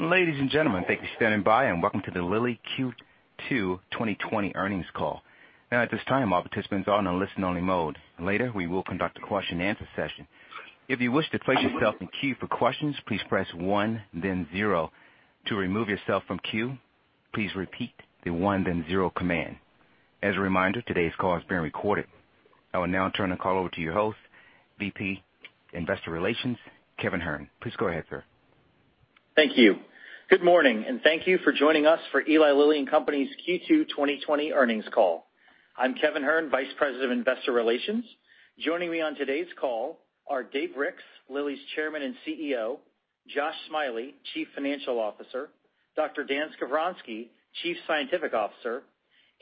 Ladies and gentlemen, thank you for standing by, and welcome to the Lilly Q2 2020 earnings call. At this time, all participants are on a listen only mode. Later, we will conduct a question and answer session. If you wish to place yourself in queue for questions, please press one then zero. To remove yourself from queue, please repeat the one then zero command. As a reminder, today's call is being recorded. I will now turn the call over to your host, VP Investor Relations, Kevin Hern. Please go ahead, sir. Thank you. Good morning, thank you for joining us for Eli Lilly and Company's Q2 2020 earnings call. I'm Kevin Hern, Vice President of Investor Relations. Joining me on today's call are Dave Ricks, Lilly's Chairman and CEO, Josh Smiley, Chief Financial Officer, Dr. Dan Skovronsky, Chief Scientific Officer,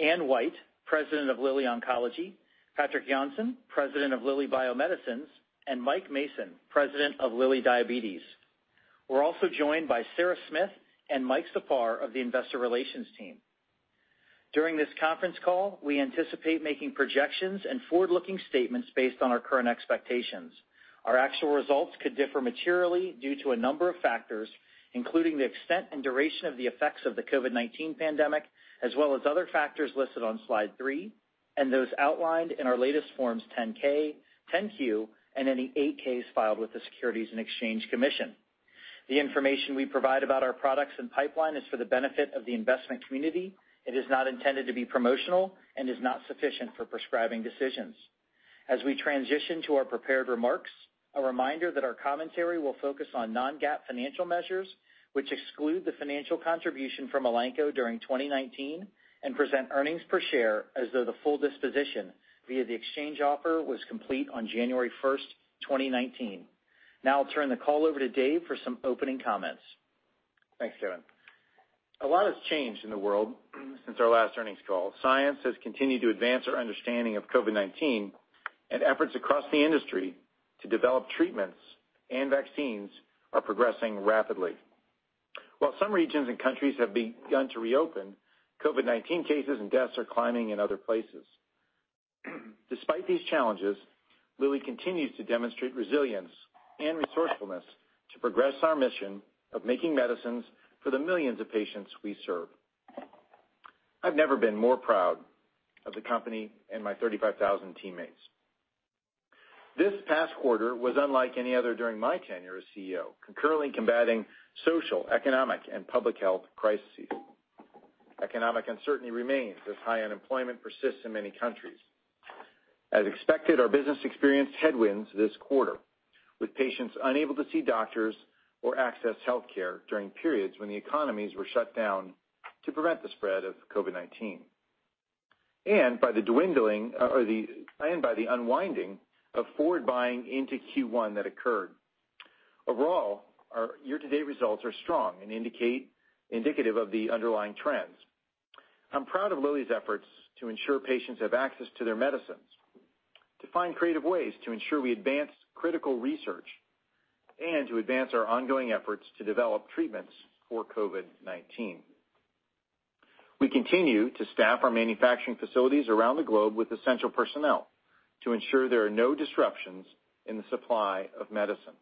Anne White, President of Lilly Oncology, Patrik Jonsson, President of Lilly Bio-Medicines, and Mike Mason, President of Lilly Diabetes. We're also joined by Sara Smith and Mike Czapar of the Investor Relations team. During this conference call, we anticipate making projections and forward-looking statements based on our current expectations. Our actual results could differ materially due to a number of factors, including the extent and duration of the effects of the COVID-19 pandemic, as well as other factors listed on slide three, and those outlined in our latest Forms 10-K, 10-Q, and any 8-Ks filed with the Securities and Exchange Commission. The information we provide about our products and pipeline is for the benefit of the investment community. It is not intended to be promotional and is not sufficient for prescribing decisions. As we transition to our prepared remarks, a reminder that our commentary will focus on non-GAAP financial measures, which exclude the financial contribution from Elanco during 2019 and present earnings per share as though the full disposition via the exchange offer was complete on January 1st, 2019. Now I'll turn the call over to Dave for some opening comments. Thanks Kevin. A lot has changed in the world since our last earnings call. Science has continued to advance our understanding of COVID-19. Efforts across the industry to develop treatments and vaccines are progressing rapidly. While some regions and countries have begun to reopen, COVID-19 cases and deaths are climbing in other places. Despite these challenges, Lilly continues to demonstrate resilience and resourcefulness to progress our mission of making medicines for the millions of patients we serve. I've never been more proud of the company and my 35,000 teammates. This past quarter was unlike any other during my tenure as CEO, concurrently combating social, economic, and public health crises. Economic uncertainty remains as high unemployment persists in many countries. As expected, our business experienced headwinds this quarter, with patients unable to see doctors or access healthcare during periods when the economies were shut down to prevent the spread of COVID-19. By the unwinding of forward buying into Q1 that occurred. Overall, our year-to-date results are strong and indicative of the underlying trends. I'm proud of Lilly's efforts to ensure patients have access to their medicines, to find creative ways to ensure we advance critical research, and to advance our ongoing efforts to develop treatments for COVID-19. We continue to staff our manufacturing facilities around the globe with essential personnel to ensure there are no disruptions in the supply of medicine.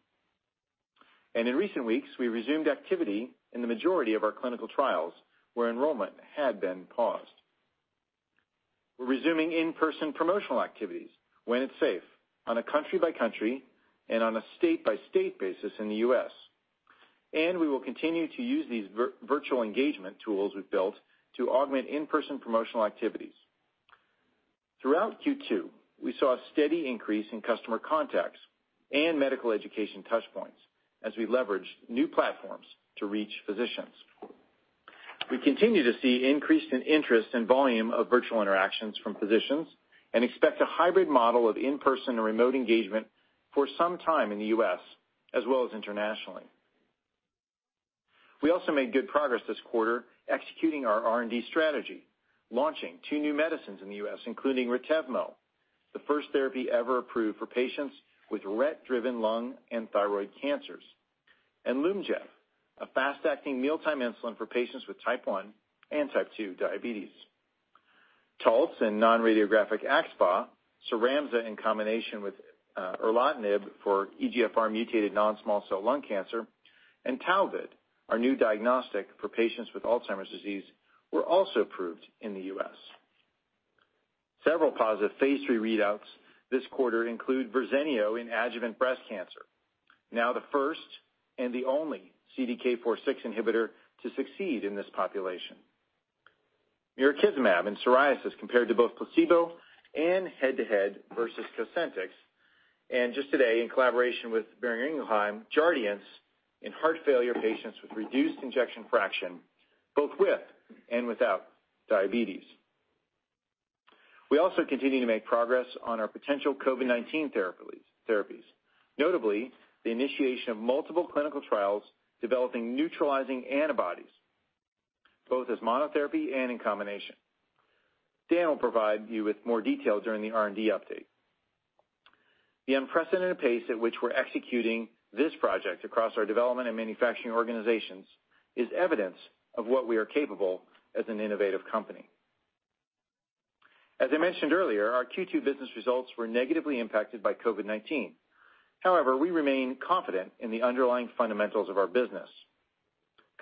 In recent weeks, we resumed activity in the majority of our clinical trials where enrollment had been paused. We're resuming in-person promotional activities when it's safe on a country-by-country and on a state-by-state basis in the U.S. We will continue to use these virtual engagement tools we've built to augment in-person promotional activities. Throughout Q2, we saw a steady increase in customer contacts and medical education touchpoints as we leveraged new platforms to reach physicians. We continue to see increased interest and volume of virtual interactions from physicians and expect a hybrid model of in-person and remote engagement for some time in the U.S. as well as internationally. We also made good progress this quarter executing our R&D strategy, launching two new medicines in the U.S., including Retevmo, the first therapy ever approved for patients with RET-driven lung and thyroid cancers, and Lyumjev, a fast-acting mealtime insulin for patients with type 1 and type 2 diabetes. Taltz and non-radiographic axSpA, Cyramza in combination with erlotinib for EGFR mutated non-small cell lung cancer, and Tauvid, our new diagnostic for patients with Alzheimer's disease, were also approved in the U.S. Several positive phase III readouts this quarter include Verzenio in adjuvant breast cancer, now the first and the only CDK4/6 inhibitor to succeed in this population. Mirikizumab in psoriasis compared to both placebo and head-to-head versus Cosentyx. Just today, in collaboration with Boehringer Ingelheim, Jardiance in heart failure patients with reduced ejection fraction, both with and without diabetes. We also continue to make progress on our potential COVID-19 therapies, notably the initiation of multiple clinical trials developing neutralizing antibodies, both as monotherapy and in combination. Dan will provide you with more detail during the R&D update. The unprecedented pace at which we're executing this project across our development and manufacturing organizations is evidence of what we are capable as an innovative company. As I mentioned earlier, our Q2 business results were negatively impacted by COVID-19. We remain confident in the underlying fundamentals of our business.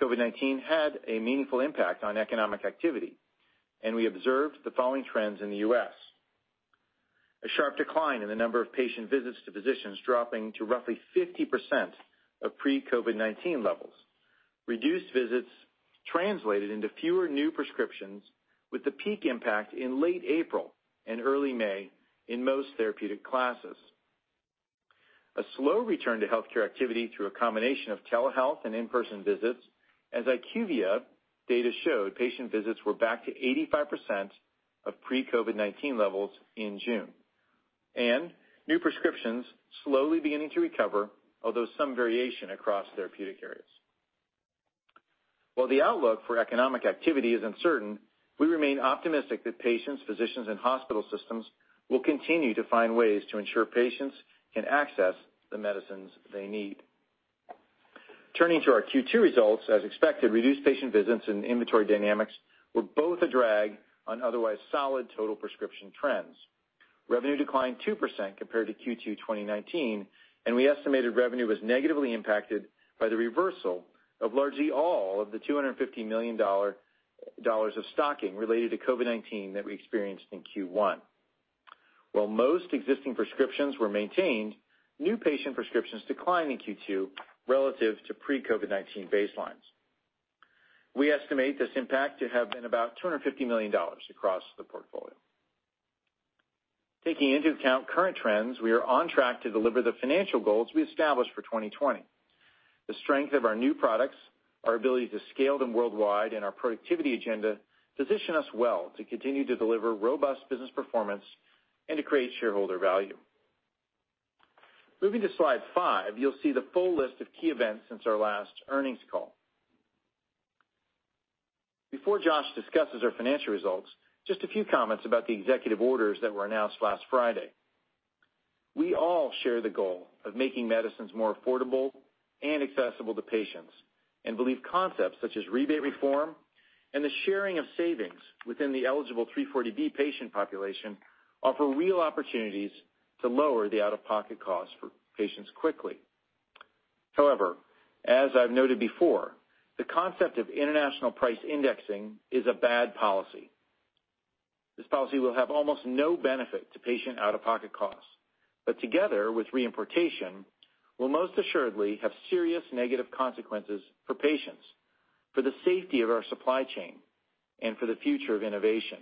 COVID-19 had a meaningful impact on economic activity, and we observed the following trends in the U.S. A sharp decline in the number of patient visits to physicians, dropping to roughly 50% of pre-COVID-19 levels. Reduced visits translated into fewer new prescriptions, with the peak impact in late April and early May in most therapeutic classes. A slow return to healthcare activity through a combination of telehealth and in-person visits, as IQVIA data showed patient visits were back to 85% of pre-COVID-19 levels in June, and new prescriptions slowly beginning to recover, although some variation across therapeutic areas. While the outlook for economic activity is uncertain, we remain optimistic that patients, physicians, and hospital systems will continue to find ways to ensure patients can access the medicines they need. Turning to our Q2 results, as expected, reduced patient visits and inventory dynamics were both a drag on otherwise solid total prescription trends. Revenue declined 2% compared to Q2 2019, and we estimated revenue was negatively impacted by the reversal of largely all of the $250 million of stocking related to COVID-19 that we experienced in Q1. While most existing prescriptions were maintained, new patient prescriptions declined in Q2 relative to pre-COVID-19 baselines. We estimate this impact to have been about $250 million across the portfolio. Taking into account current trends, we are on track to deliver the financial goals we established for 2020. The strength of our new products, our ability to scale them worldwide, and our productivity agenda position us well to continue to deliver robust business performance and to create shareholder value. Moving to slide five, you'll see the full list of key events since our last earnings call. Before Josh discusses our financial results, just a few comments about the executive orders that were announced last Friday. We all share the goal of making medicines more affordable and accessible to patients, and believe concepts such as rebate reform and the sharing of savings within the eligible 340B patient population offer real opportunities to lower the out-of-pocket costs for patients quickly. However, as I've noted before, the concept of international price indexing is a bad policy. This policy will have almost no benefit to patient out-of-pocket costs, but together with reimportation, will most assuredly have serious negative consequences for patients, for the safety of our supply chain, and for the future of innovation.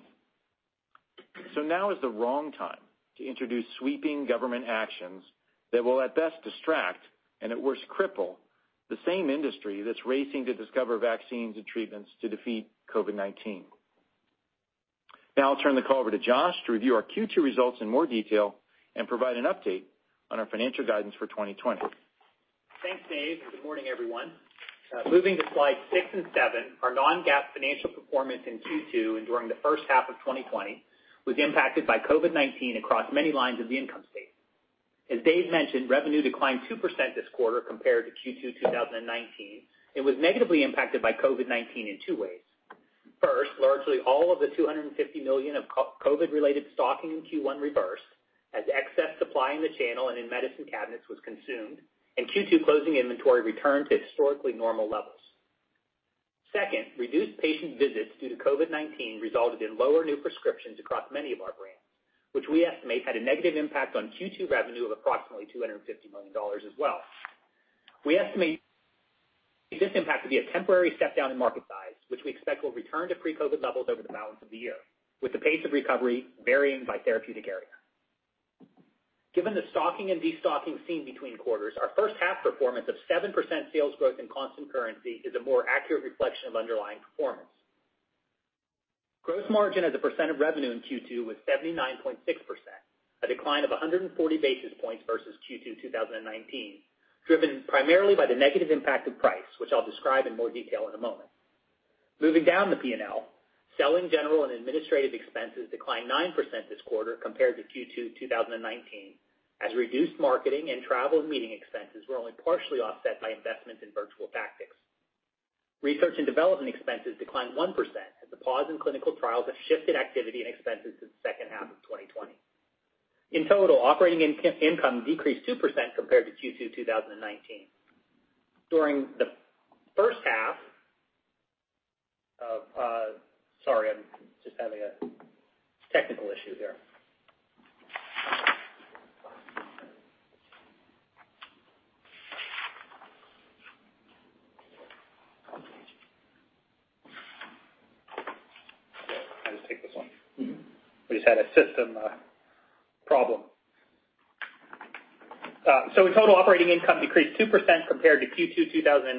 Now is the wrong time to introduce sweeping government actions that will at best distract, and at worst cripple, the same industry that's racing to discover vaccines and treatments to defeat COVID-19. Now I'll turn the call over to Josh to review our Q2 results in more detail and provide an update on our financial guidance for 2020. Thanks Dave. Good morning, everyone. Moving to slide six and seven, our non-GAAP financial performance in Q2 and during the first half of 2020 was impacted by COVID-19 across many lines of the income statement. As Dave mentioned, revenue declined 2% this quarter compared to Q2 2019. It was negatively impacted by COVID-19 in two ways. First, largely all of the $250 million of COVID-related stocking in Q1 reversed as excess supply in the channel and in medicine cabinets was consumed, and Q2 closing inventory returned to historically normal levels. Second, reduced patient visits due to COVID-19 resulted in lower new prescriptions across many of our brands, which we estimate had a negative impact on Q2 revenue of approximately $250 million as well. We estimate this impact to be a temporary step-down in market size, which we expect will return to pre-COVID levels over the balance of the year, with the pace of recovery varying by therapeutic area. Given the stocking and de-stocking seen between quarters, our first half performance of 7% sales growth in constant currency is a more accurate reflection of underlying performance. Gross margin as a percent of revenue in Q2 was 79.6%, a decline of 140 basis points versus Q2 2019, driven primarily by the negative impact of price, which I'll describe in more detail in a moment. Moving down the P&L, selling, general, and administrative expenses declined 9% this quarter compared to Q2 2019, as reduced marketing and travel and meeting expenses were only partially offset by investments in virtual tactics. Research and development expenses declined 1% as the pause in clinical trials have shifted activity and expenses to the second half of 2020. In total, operating income decreased 2% compared to Q2 2019. During the first half of, sorry, I'm just having a technical issue here. I'll just take this one. We just had a system problem. In total, operating income decreased 2% compared to Q2 2019.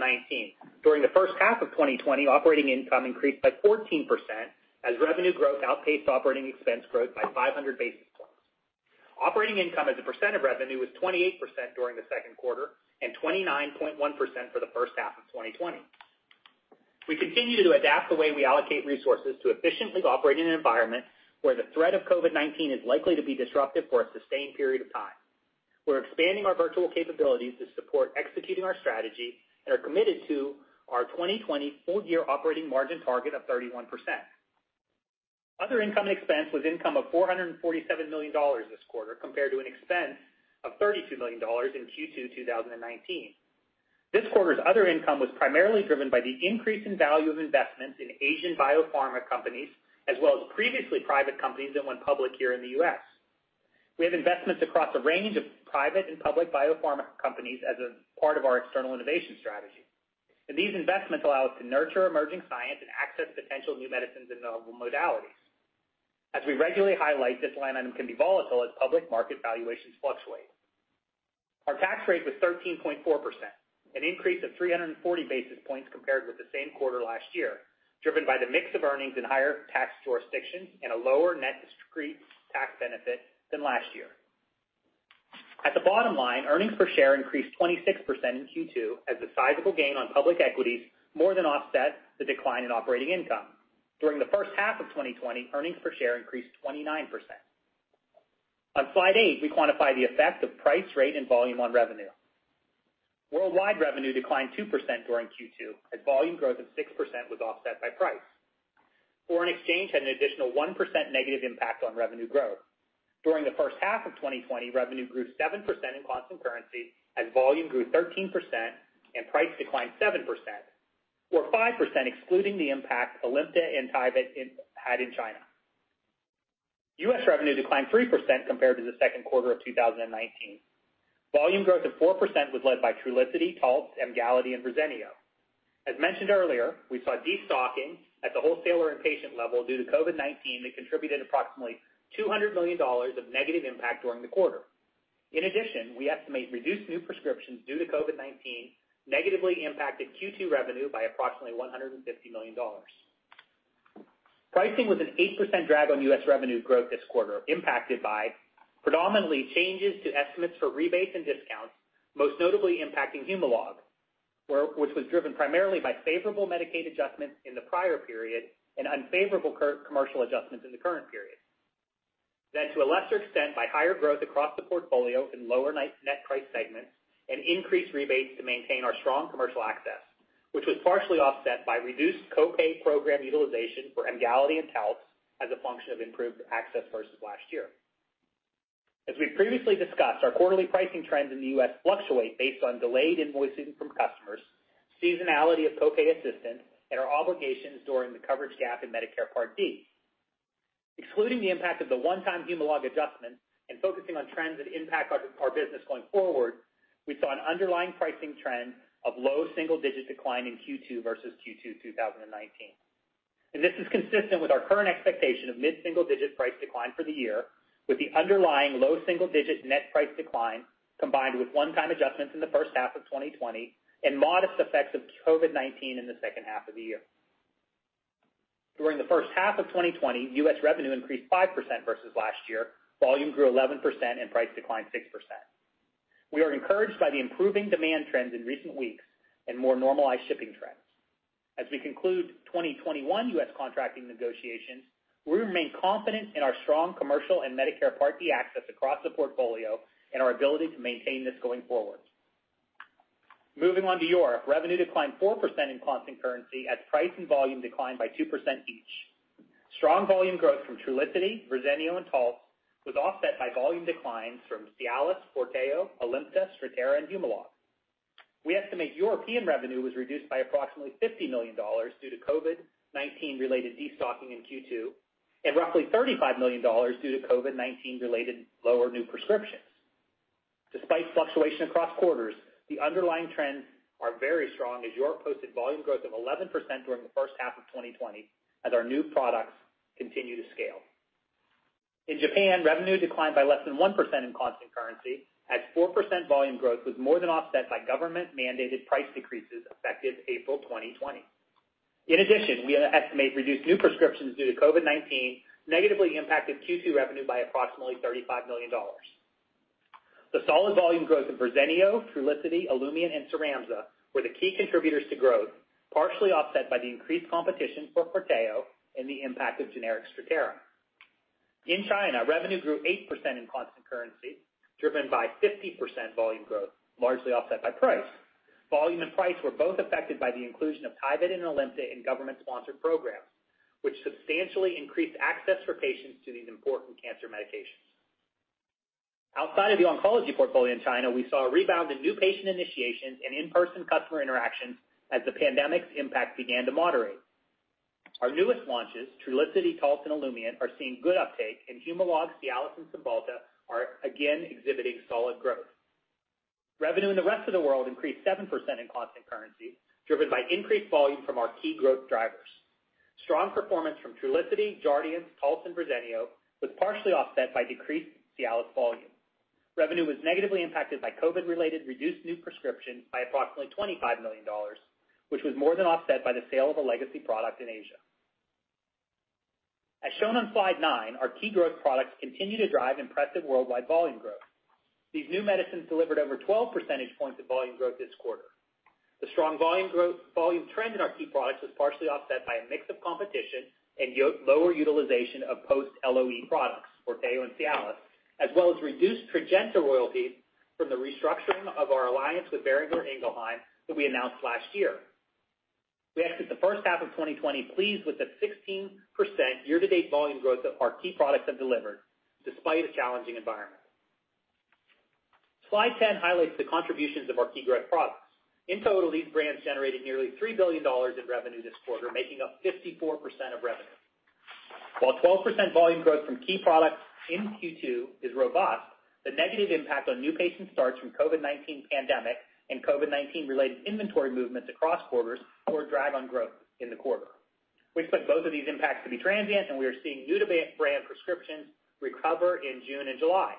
During the first half of 2020, operating income increased by 14% as revenue growth outpaced operating expense growth by 500 basis points. Operating income as a percent of revenue was 28% during the second quarter and 29.1% for the first half of 2020. We continue to adapt the way we allocate resources to efficiently operate in an environment where the threat of COVID-19 is likely to be disruptive for a sustained period of time. We're expanding our virtual capabilities to support executing our strategy and are committed to our 2020 full-year operating margin target of 31%. Other income and expense was income of $447 million this quarter, compared to an expense of $32 million in Q2 2019. This quarter's other income was primarily driven by the increase in value of investments in Asian biopharma companies, as well as previously private companies that went public here in the U.S. We have investments across a range of private and public biopharma companies as a part of our external innovation strategy, and these investments allow us to nurture emerging science and access potential new medicines and novel modalities. As we regularly highlight, this line item can be volatile as public market valuations fluctuate. Our tax rate was 13.4%, an increase of 340 basis points compared with the same quarter last year, driven by the mix of earnings in higher tax jurisdictions and a lower net discrete tax benefit than last year. At the bottom line, earnings per share increased 26% in Q2 as the sizable gain on public equities more than offset the decline in operating income. During the first half of 2020, earnings per share increased 29%. On slide eight, we quantify the effect of price, rate, and volume on revenue. Worldwide revenue declined 2% during Q2 as volume growth of 6% was offset by price. Foreign exchange had an additional 1% negative impact on revenue growth. During the first half of 2020, revenue grew 7% in constant currency as volume grew 13% and price declined 7%, or 5% excluding the impact Alimta and Tyvyt had in China. U.S. revenue declined 3% compared to the second quarter of 2019. Volume growth of 4% was led by Trulicity, Taltz, Emgality, and Verzenio. As mentioned earlier, we saw destocking at the wholesaler and patient level due to COVID-19 that contributed approximately $200 million of negative impact during the quarter. In addition, we estimate reduced new prescriptions due to COVID-19 negatively impacted Q2 revenue by approximately $150 million. Pricing was an 8% drag on U.S. revenue growth this quarter, impacted by predominantly changes to estimates for rebates and discounts, most notably impacting Humalog, which was driven primarily by favorable Medicaid adjustments in the prior period, and unfavorable commercial adjustments in the current period. To a lesser extent, by higher growth across the portfolio in lower net price segments and increased rebates to maintain our strong commercial access, which was partially offset by reduced co-pay program utilization for Emgality and Taltz as a function of improved access versus last year. As we previously discussed, our quarterly pricing trends in the U.S. fluctuate based on delayed invoicing from customers, seasonality of co-pay assistance, and our obligations during the coverage gap in Medicare Part D. Excluding the impact of the one-time Humalog adjustment and focusing on trends that impact our business going forward, we saw an underlying pricing trend of low single-digit decline in Q2 versus Q2 2019. This is consistent with our current expectation of mid-single-digit price decline for the year, with the underlying low single-digit net price decline, combined with one-time adjustments in the first half of 2020 and modest effects of COVID-19 in the second half of the year. During the first half of 2020, U.S. revenue increased 5% versus last year, volume grew 11%, and price declined 6%. We are encouraged by the improving demand trends in recent weeks and more normalized shipping trends. As we conclude 2021 U.S. contracting negotiations, we remain confident in our strong commercial and Medicare Part D access across the portfolio and our ability to maintain this going forward. Moving on to Europe, revenue declined 4% in constant currency as price and volume declined by 2% each. Strong volume growth from Trulicity, Verzenio, and Taltz was offset by volume declines from Cialis, Forteo, Alimta, Strattera, and Humalog. We estimate European revenue was reduced by approximately $50 million due to COVID-19 related destocking in Q2 and roughly $35 million due to COVID-19 related lower new prescriptions. Despite fluctuation across quarters, the underlying trends are very strong as Europe posted volume growth of 11% during the first half of 2020 as our new products continue to scale. In Japan, revenue declined by less than 1% in constant currency as 4% volume growth was more than offset by government-mandated price decreases effective April 2020. In addition, we estimate reduced new prescriptions due to COVID-19 negatively impacting Q2 revenue by approximately $35 million. The solid volume growth of Verzenio, Trulicity, Alimta, and Cyramza were the key contributors to growth, partially offset by the increased competition for FORTEO and the impact of generic Strattera. In China, revenue grew 8% in constant currency, driven by 50% volume growth, largely offset by price. Volume and price were both affected by the inclusion of Tyvyt and Alimta in government-sponsored programs, which substantially increased access for patients to these important cancer medications. Outside of the oncology portfolio in China, we saw a rebound in new patient initiations and in-person customer interactions as the pandemic's impact began to moderate. Our newest launches, Trulicity, Taltz, and Olumiant, are seeing good uptake, and Humalog, Cialis, and Cymbalta are again exhibiting solid growth. Revenue in the rest of the world increased 7% in constant currency, driven by increased volume from our key growth drivers. Strong performance from Trulicity, Jardiance, Taltz, and Verzenio was partially offset by decreased Cialis volume. Revenue was negatively impacted by COVID-related reduced new prescriptions by approximately $25 million, which was more than offset by the sale of a legacy product in Asia. As shown on slide nine, our key growth products continue to drive impressive worldwide volume growth. These new medicines delivered over 12 percentage points of volume growth this quarter. The strong volume trend in our key products was partially offset by a mix of competition and lower utilization of post-LOE products, Forteo and Cialis, as well as reduced Trajenta royalties from the restructuring of our alliance with Boehringer Ingelheim that we announced last year. We exit the first half of 2020 pleased with the 16% year-to-date volume growth that our key products have delivered despite a challenging environment. Slide 10 highlights the contributions of our key growth products. In total, these brands generated nearly $3 billion in revenue this quarter, making up 54% of revenue. While 12% volume growth from key products in Q2 is robust, the negative impact on new patient starts from COVID-19 pandemic and COVID-19 related inventory movements across borders were a drag on growth in the quarter. We expect both of these impacts to be transient, and we are seeing new-to-brand prescriptions recover in June and July.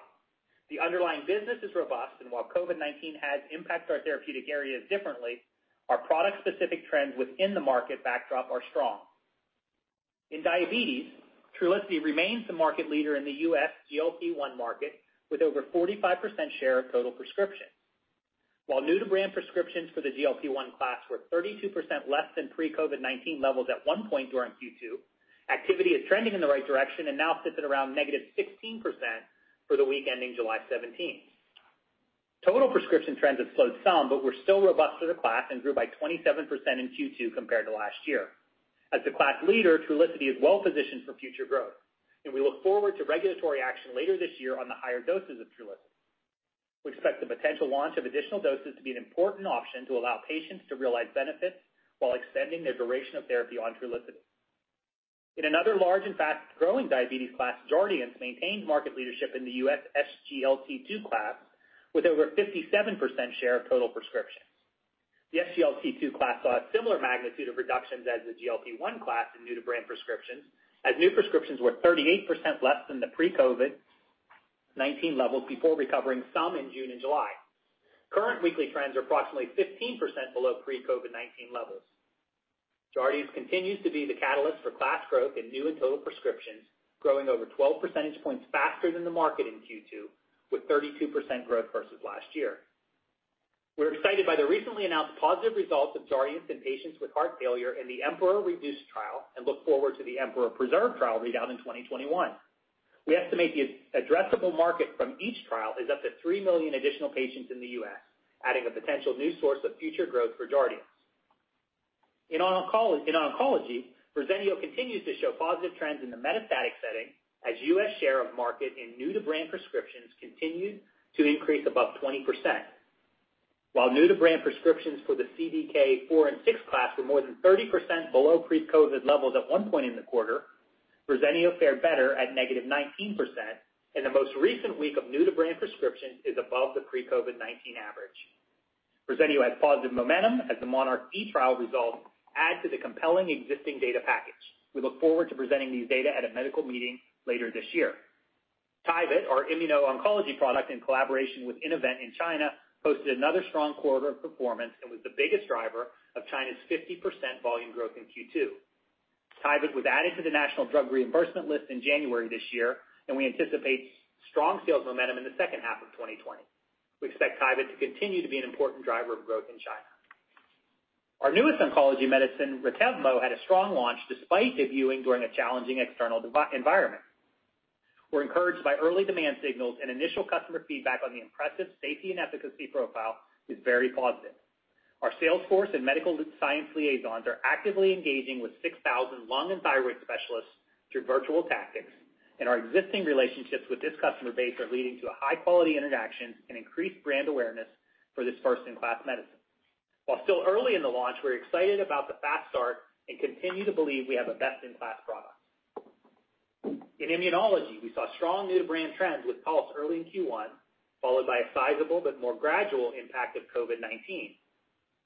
The underlying business is robust, and while COVID-19 has impacted our therapeutic areas differently, our product-specific trends within the market backdrop are strong. In diabetes, Trulicity remains the market leader in the U.S. GLP-1 market with over 45% share of total prescriptions. While new-to-brand prescriptions for the GLP-1 class were 32% less than pre-COVID-19 levels at one point during Q2, activity is trending in the right direction and now sits at around negative 16% for the week ending July 17th. Total prescription trends have slowed some but were still robust for the class and grew by 27% in Q2 compared to last year. As the class leader, Trulicity is well-positioned for future growth, and we look forward to regulatory action later this year on the higher doses of Trulicity. We expect the potential launch of additional doses to be an important option to allow `patients to realize benefits while extending their duration of therapy on Trulicity. In another large and fast-growing diabetes class, Jardiance maintained market leadership in the U.S. SGLT2 class with over 57% share of total prescriptions. The SGLT2 class saw a similar magnitude of reductions as the GLP-1 class in new-to-brand prescriptions, as new prescriptions were 38% less than the pre-COVID-19 levels before recovering some in June and July. Current weekly trends are approximately 15% below pre-COVID-19 levels. Jardiance continues to be the catalyst for class growth in new and total prescriptions, growing over 12 percentage points faster than the market in Q2, with 32% growth versus last year. We're excited by the recently announced positive results of Jardiance in patients with heart failure in the EMPEROR-Reduced trial and look forward to the EMPEROR-Preserved trial readout in 2021. We estimate the addressable market from each trial is up to 3 million additional patients in the U.S., adding a potential new source of future growth for Jardiance. In oncology, Verzenio continues to show positive trends in the metastatic setting as U.S. share of market in new-to-brand prescriptions continued to increase above 20%. While new-to-brand prescriptions for the CDK4/6 class were more than 30% below pre-COVID levels at one point in the quarter, Verzenio fared better at negative 19%, and the most recent week of new-to-brand prescription is above the pre-COVID-19 average. Verzenio has positive momentum as the monarchE trial results add to the compelling existing data package. We look forward to presenting these data at a medical meeting later this year. Tyvyt, our immuno-oncology product in collaboration with Innovent in China, posted another strong quarter of performance and was the biggest driver of China's 50% volume growth in Q2. Tyvyt was added to the National Reimbursement Drug List in January this year, and we anticipate strong sales momentum in the second half of 2020. We expect Tyvyt to continue to be an important driver of growth in China. Our newest oncology medicine, Retevmo, had a strong launch despite debuting during a challenging external environment. We're encouraged by early demand signals and initial customer feedback on the impressive safety and efficacy profile is very positive. Our sales force and medical science liaisons are actively engaging with 6,000 lung and thyroid specialists through virtual tactics, and our existing relationships with this customer base are leading to high-quality interactions and increased brand awareness for this first-in-class medicine. While still early in the launch, we're excited about the fast start and continue to believe we have a best-in-class product. In immunology, we saw strong new-to-brand trends with Taltz early in Q1, followed by a sizable but more gradual impact of COVID-19.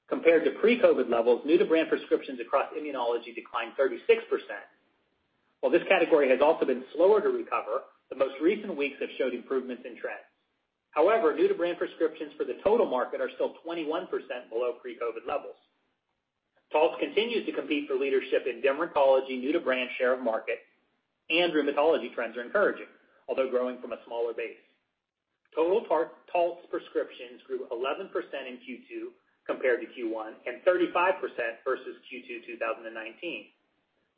Compared to pre-COVID levels, new-to-brand prescriptions across immunology declined 36%. While this category has also been slower to recover, the most recent weeks have showed improvements in trends. However, new-to-brand prescriptions for the total market are still 21% below pre-COVID levels. Taltz continues to compete for leadership in dermatology new-to-brand share of market, and rheumatology trends are encouraging, although growing from a smaller base. Total Taltz prescriptions grew 11% in Q2 compared to Q1 and 35% versus Q2 2019.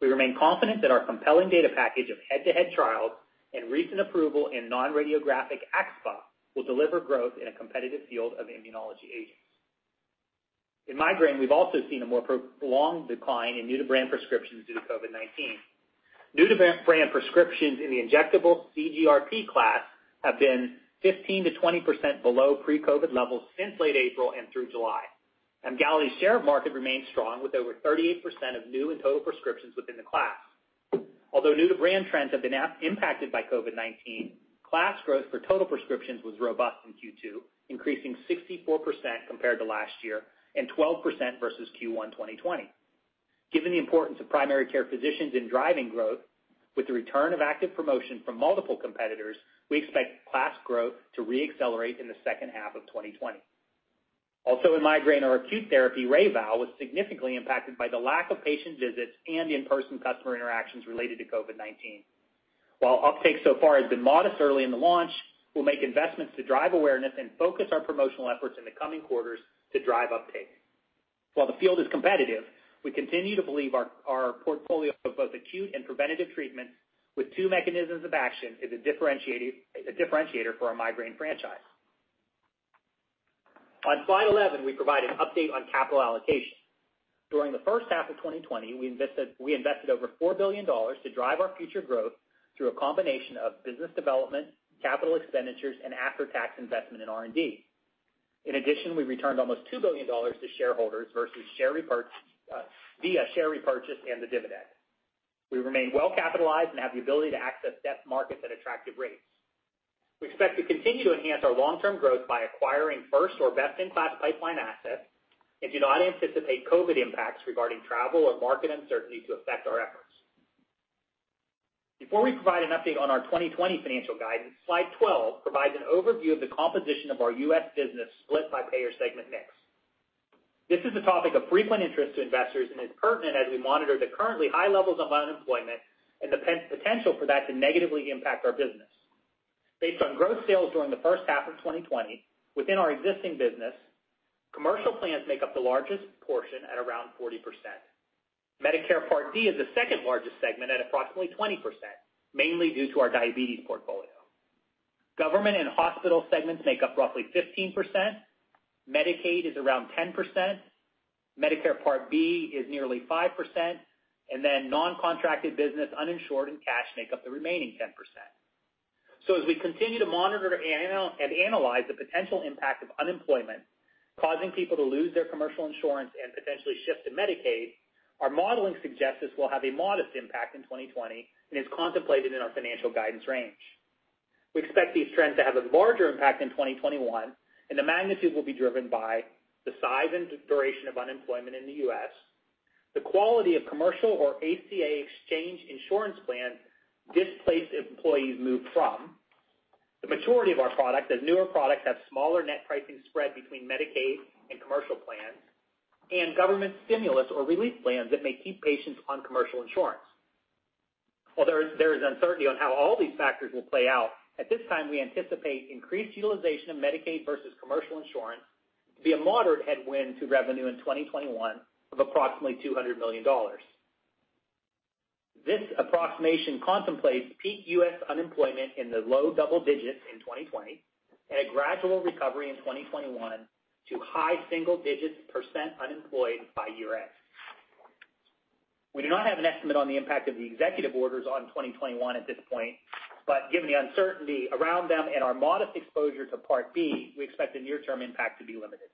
We remain confident that our compelling data package of head-to-head trials and recent approval in non-radiographic axSpA will deliver growth in a competitive field of immunology agents. In migraine, we've also seen a more prolonged decline in new-to-brand prescriptions due to COVID-19. New-to-brand prescriptions in the injectable CGRP class have been 15%-20% below pre-COVID levels since late April and through July. Emgality's share of market remains strong, with over 38% of new and total prescriptions within the class. Although new-to-brand trends have been impacted by COVID-19, class growth for total prescriptions was robust in Q2, increasing 64% compared to last year and 12% versus Q1 2020. Given the importance of primary care physicians in driving growth, with the return of active promotion from multiple competitors, we expect class growth to re-accelerate in the second half of 2020. Also in migraine, our acute therapy, Reyvow, was significantly impacted by the lack of patient visits and in-person customer interactions related to COVID-19. While uptake so far has been modest early in the launch, we'll make investments to drive awareness and focus our promotional efforts in the coming quarters to drive uptake. While the field is competitive, we continue to believe our portfolio of both acute and preventative treatment with two mechanisms of action is a differentiator for our migraine franchise. On slide 11, we provide an update on capital allocation. During the first half of 2020, we invested over $4 billion to drive our future growth through a combination of business development, capital expenditures, and after-tax investment in R&D. In addition, we returned almost $2 billion to shareholders via share repurchase and the dividend. We remain well-capitalized and have the ability to access debt markets at attractive rates. We expect to continue to enhance our long-term growth by acquiring first or best-in-class pipeline assets and do not anticipate COVID impacts regarding travel or market uncertainty to affect our efforts. Before we provide an update on our 2020 financial guidance, slide 12 provides an overview of the composition of our U.S. business split by payer segment mix. This is a topic of frequent interest to investors and is pertinent as we monitor the currently high levels of unemployment and the potential for that to negatively impact our business. Based on gross sales during the first half of 2020, within our existing business, commercial plans make up the largest portion at around 40%. Medicare Part D is the second-largest segment at approximately 20%, mainly due to our diabetes portfolio. Government and hospital segments make up roughly 15%. Medicaid is around 10%. Medicare Part B is nearly 5%, and then non-contracted business, uninsured, and cash make up the remaining 10%. As we continue to monitor and analyze the potential impact of unemployment, causing people to lose their commercial insurance and potentially shift to Medicaid, our modeling suggests this will have a modest impact in 2020 and is contemplated in our financial guidance range. We expect these trends to have a larger impact in 2021, and the magnitude will be driven by the size and duration of unemployment in the U.S., the quality of commercial or ACA exchange insurance plans displaced employees move from, the maturity of our product, as newer products have smaller net pricing spread between Medicaid and commercial plans, and government stimulus or relief plans that may keep patients on commercial insurance. Although there is uncertainty on how all these factors will play out, at this time, I anticipate increased utilization of Medicaid versus commercial insurance to be a moderate headwind to revenue in 2021 of approximately $200 million. This approximation contemplates peak U.S. unemployment in the low double digits in 2020 and a gradual recovery in 2021 to high single-digit % unemployed by year-end. We do not have an estimate on the impact of the executive orders on 2021 at this point, but given the uncertainty around them and our modest exposure to Part D, we expect the near-term impact to be limited.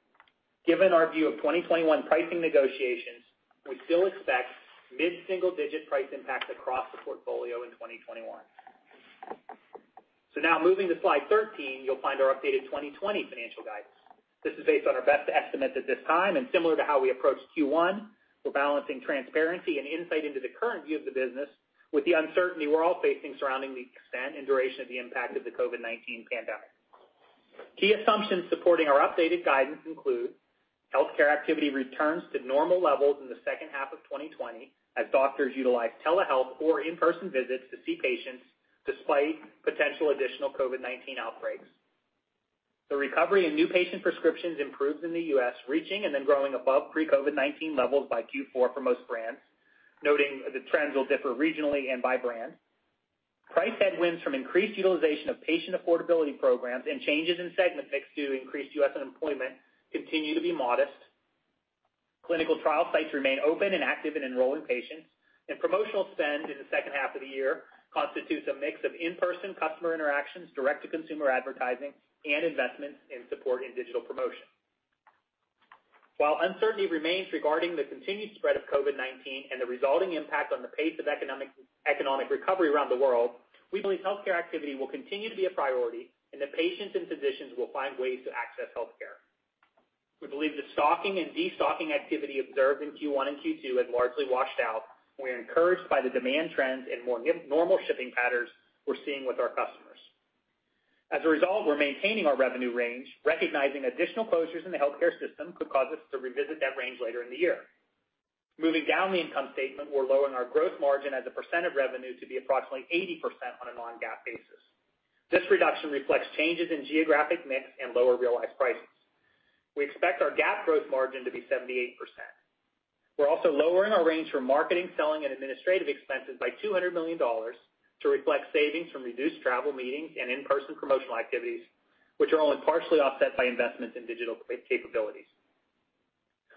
Given our view of 2021 pricing negotiations, we still expect mid-single-digit price impact across the portfolio in 2021. Now moving to slide 13, you'll find our updated 2020 financial guidance. This is based on our best estimates at this time, and similar to how we approached Q1, we're balancing transparency and insight into the current view of the business with the uncertainty we're all facing surrounding the extent and duration of the impact of the COVID-19 pandemic. Key assumptions supporting our updated guidance include healthcare activity returns to normal levels in the second half of 2020 as doctors utilize telehealth or in-person visits to see patients despite potential additional COVID-19 outbreaks. The recovery in new patient prescriptions improves in the U.S., reaching and then growing above pre-COVID-19 levels by Q4 for most brands, noting the trends will differ regionally and by brand. Price headwinds from increased utilization of patient affordability programs and changes in segment mix due to increased U.S. unemployment continue to be modest. Clinical trial sites remain open and active in enrolling patients, and promotional spend in the second half of the year constitutes a mix of in-person customer interactions, direct-to-consumer advertising, and investments in support in digital promotion. While uncertainty remains regarding the continued spread of COVID-19 and the resulting impact on the pace of economic recovery around the world, we believe healthcare activity will continue to be a priority and that patients and physicians will find ways to access healthcare. We believe the stocking and de-stocking activity observed in Q1 and Q2 has largely washed out. We are encouraged by the demand trends and more normal shipping patterns we're seeing with our customers. As a result, we're maintaining our revenue range, recognizing additional closures in the healthcare system could cause us to revisit that range later in the year. Moving down the income statement, we're lowering our gross margin as a percent of revenue to be approximately 80% on a non-GAAP basis. This reduction reflects changes in geographic mix and lower realized prices. We expect our GAAP gross margin to be 78%. We're also lowering our range for marketing, selling, and administrative expenses by $200 million to reflect savings from reduced travel, meetings, and in-person promotional activities, which are only partially offset by investments in digital capabilities.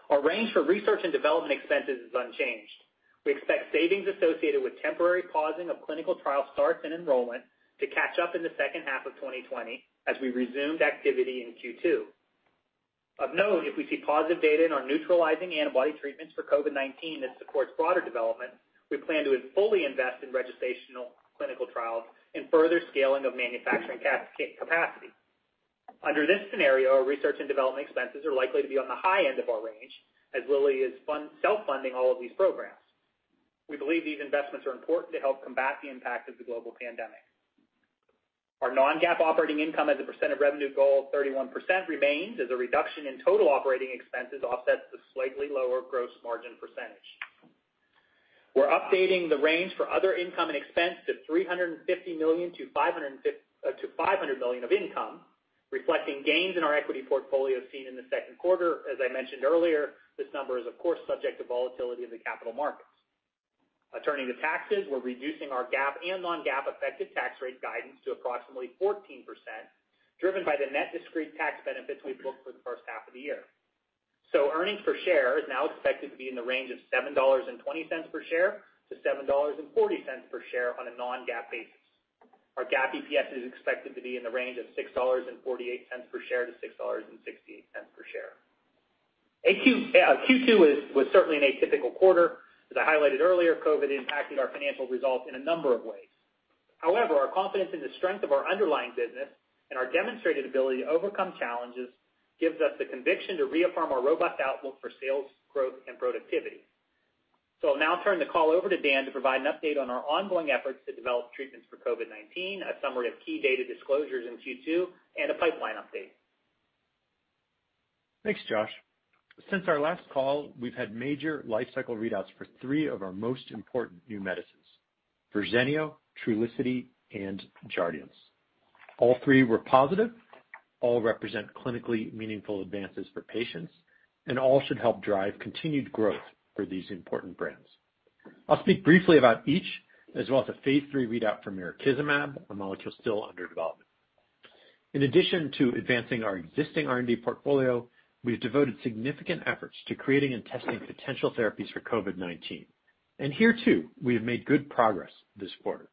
Our range for research and development expenses is unchanged. We expect savings associated with temporary pausing of clinical trial starts and enrollment to catch up in the second half of 2020 as we resumed activity in Q2. Of note, if we see positive data in our neutralizing antibody treatments for COVID-19 that supports broader development, we plan to fully invest in registrational clinical trials and further scaling of manufacturing capacity. Under this scenario, our research and development expenses are likely to be on the high end of our range as Lilly is self-funding all of these programs. We believe these investments are important to help combat the impact of the global pandemic. Our non-GAAP operating income as a % of revenue goal of 31% remains as a reduction in total operating expenses offsets the slightly lower gross margin %. We're updating the range for other income and expense to $350 million-$500 million of income, reflecting gains in our equity portfolio seen in the second quarter. As I mentioned earlier, this number is of course subject to volatility in the capital markets. Turning to taxes, we're reducing our GAAP and non-GAAP effective tax rate guidance to approximately 14%, driven by the net discrete tax benefits we've booked for the first half of the year. Earnings per share is now expected to be in the range of $7.20 per share-$7.40 per share on a non-GAAP basis. Our GAAP EPS is expected to be in the range of $6.48 per share-$6.68 per share. Q2 was certainly an atypical quarter. As I highlighted earlier, COVID impacted our financial results in a number of ways. Our confidence in the strength of our underlying business and our demonstrated ability to overcome challenges gives us the conviction to reaffirm our robust outlook for sales growth and productivity. I'll now turn the call over to Dan to provide an update on our ongoing efforts to develop treatments for COVID-19, a summary of key data disclosures in Q2, and a pipeline update. Thanks Josh. Since our last call, we've had major life cycle readouts for three of our most important new medicines, Verzenio, Trulicity, and Jardiance. All three were positive, all represent clinically meaningful advances for patients, and all should help drive continued growth for these important brands. I'll speak briefly about each, as well as a phase III readout for mirikizumab, a molecule still under development. In addition to advancing our existing R&D portfolio, we've devoted significant efforts to creating and testing potential therapies for COVID-19. Here too, we have made good progress this quarter.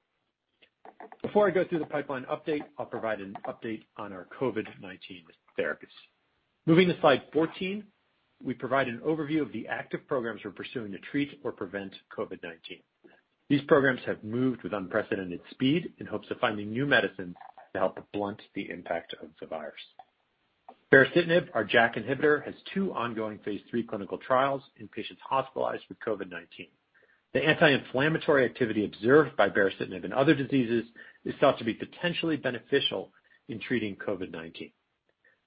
Before I go through the pipeline update, I'll provide an update on our COVID-19 therapies. Moving to slide 14, we provide an overview of the active programs we're pursuing to treat or prevent COVID-19. These programs have moved with unprecedented speed in hopes of finding new medicines to help blunt the impact of the virus. Baricitinib, our JAK inhibitor, has two ongoing phase III clinical trials in patients hospitalized with COVID-19. The anti-inflammatory activity observed by baricitinib in other diseases is thought to be potentially beneficial in treating COVID-19.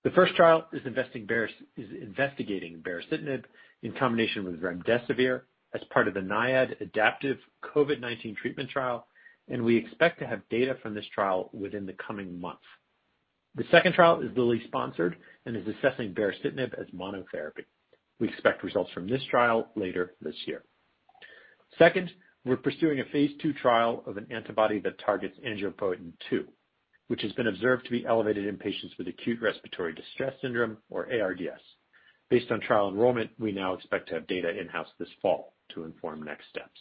The first trial is investigating baricitinib in combination with remdesivir as part of the NIAID adaptive COVID-19 treatment trial, and we expect to have data from this trial within the coming months. The second trial is Lilly-sponsored and is assessing baricitinib as monotherapy. We expect results from this trial later this year. Second, we're pursuing a phase II trial of an antibody that targets angiopoietin-2, which has been observed to be elevated in patients with acute respiratory distress syndrome, or ARDS. Based on trial enrollment, we now expect to have data in-house this fall to inform next steps.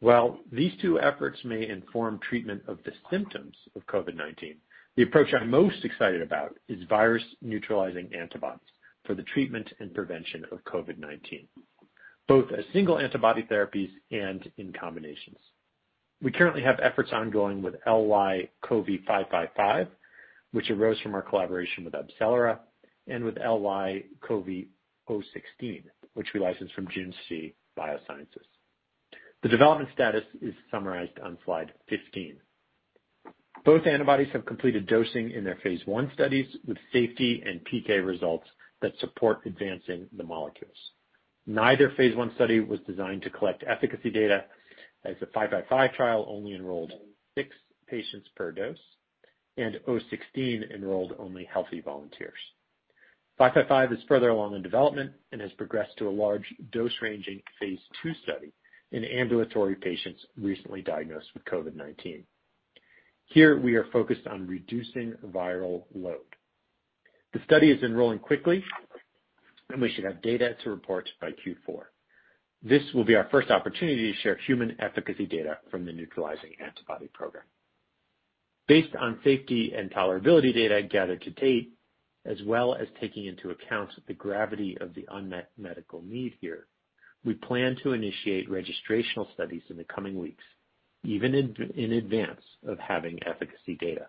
While these two efforts may inform treatment of the symptoms of COVID-19, the approach I'm most excited about is virus-neutralizing antibodies for the treatment and prevention of COVID-19, both as single antibody therapies and in combinations. We currently have efforts ongoing with LY-CoV555, which arose from our collaboration with AbCellera, and with LY-CoV016, which we licensed from Junshi Biosciences. The development status is summarized on slide 15. Both antibodies have completed dosing in their phase I studies with safety and PK results that support advancing the molecules. Neither phase I study was designed to collect efficacy data, as the 555 trial only enrolled six patients per dose, and 016 enrolled only healthy volunteers. 555 is further along in development and has progressed to a large dose-ranging phase II study in ambulatory patients recently diagnosed with COVID-19. Here, we are focused on reducing viral load. The study is enrolling quickly, and we should have data to report by Q4. This will be our first opportunity to share human efficacy data from the neutralizing antibody program. Based on safety and tolerability data gathered to date, as well as taking into account the gravity of the unmet medical need here, we plan to initiate registrational studies in the coming weeks, even in advance of having efficacy data.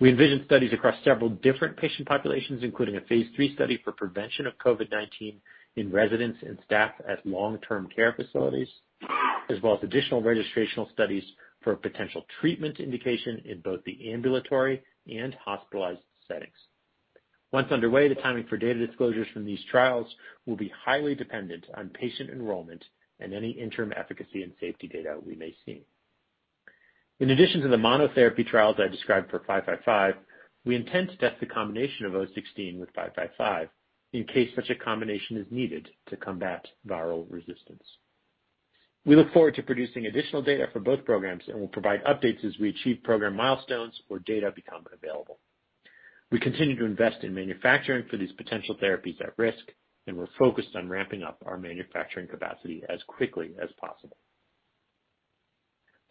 We envision studies across several different patient populations, including a phase III study for prevention of COVID-19 in residents and staff at long-term care facilities, as well as additional registrational studies for potential treatment indication in both the ambulatory and hospitalized settings. Once underway, the timing for data disclosures from these trials will be highly dependent on patient enrollment and any interim efficacy and safety data we may see. In addition to the monotherapy trials I described for 555, we intend to test the combination of 016 with 555 in case such a combination is needed to combat viral resistance. We look forward to producing additional data for both programs and will provide updates as we achieve program milestones or data become available. We continue to invest in manufacturing for these potential therapies at risk. We're focused on ramping up our manufacturing capacity as quickly as possible.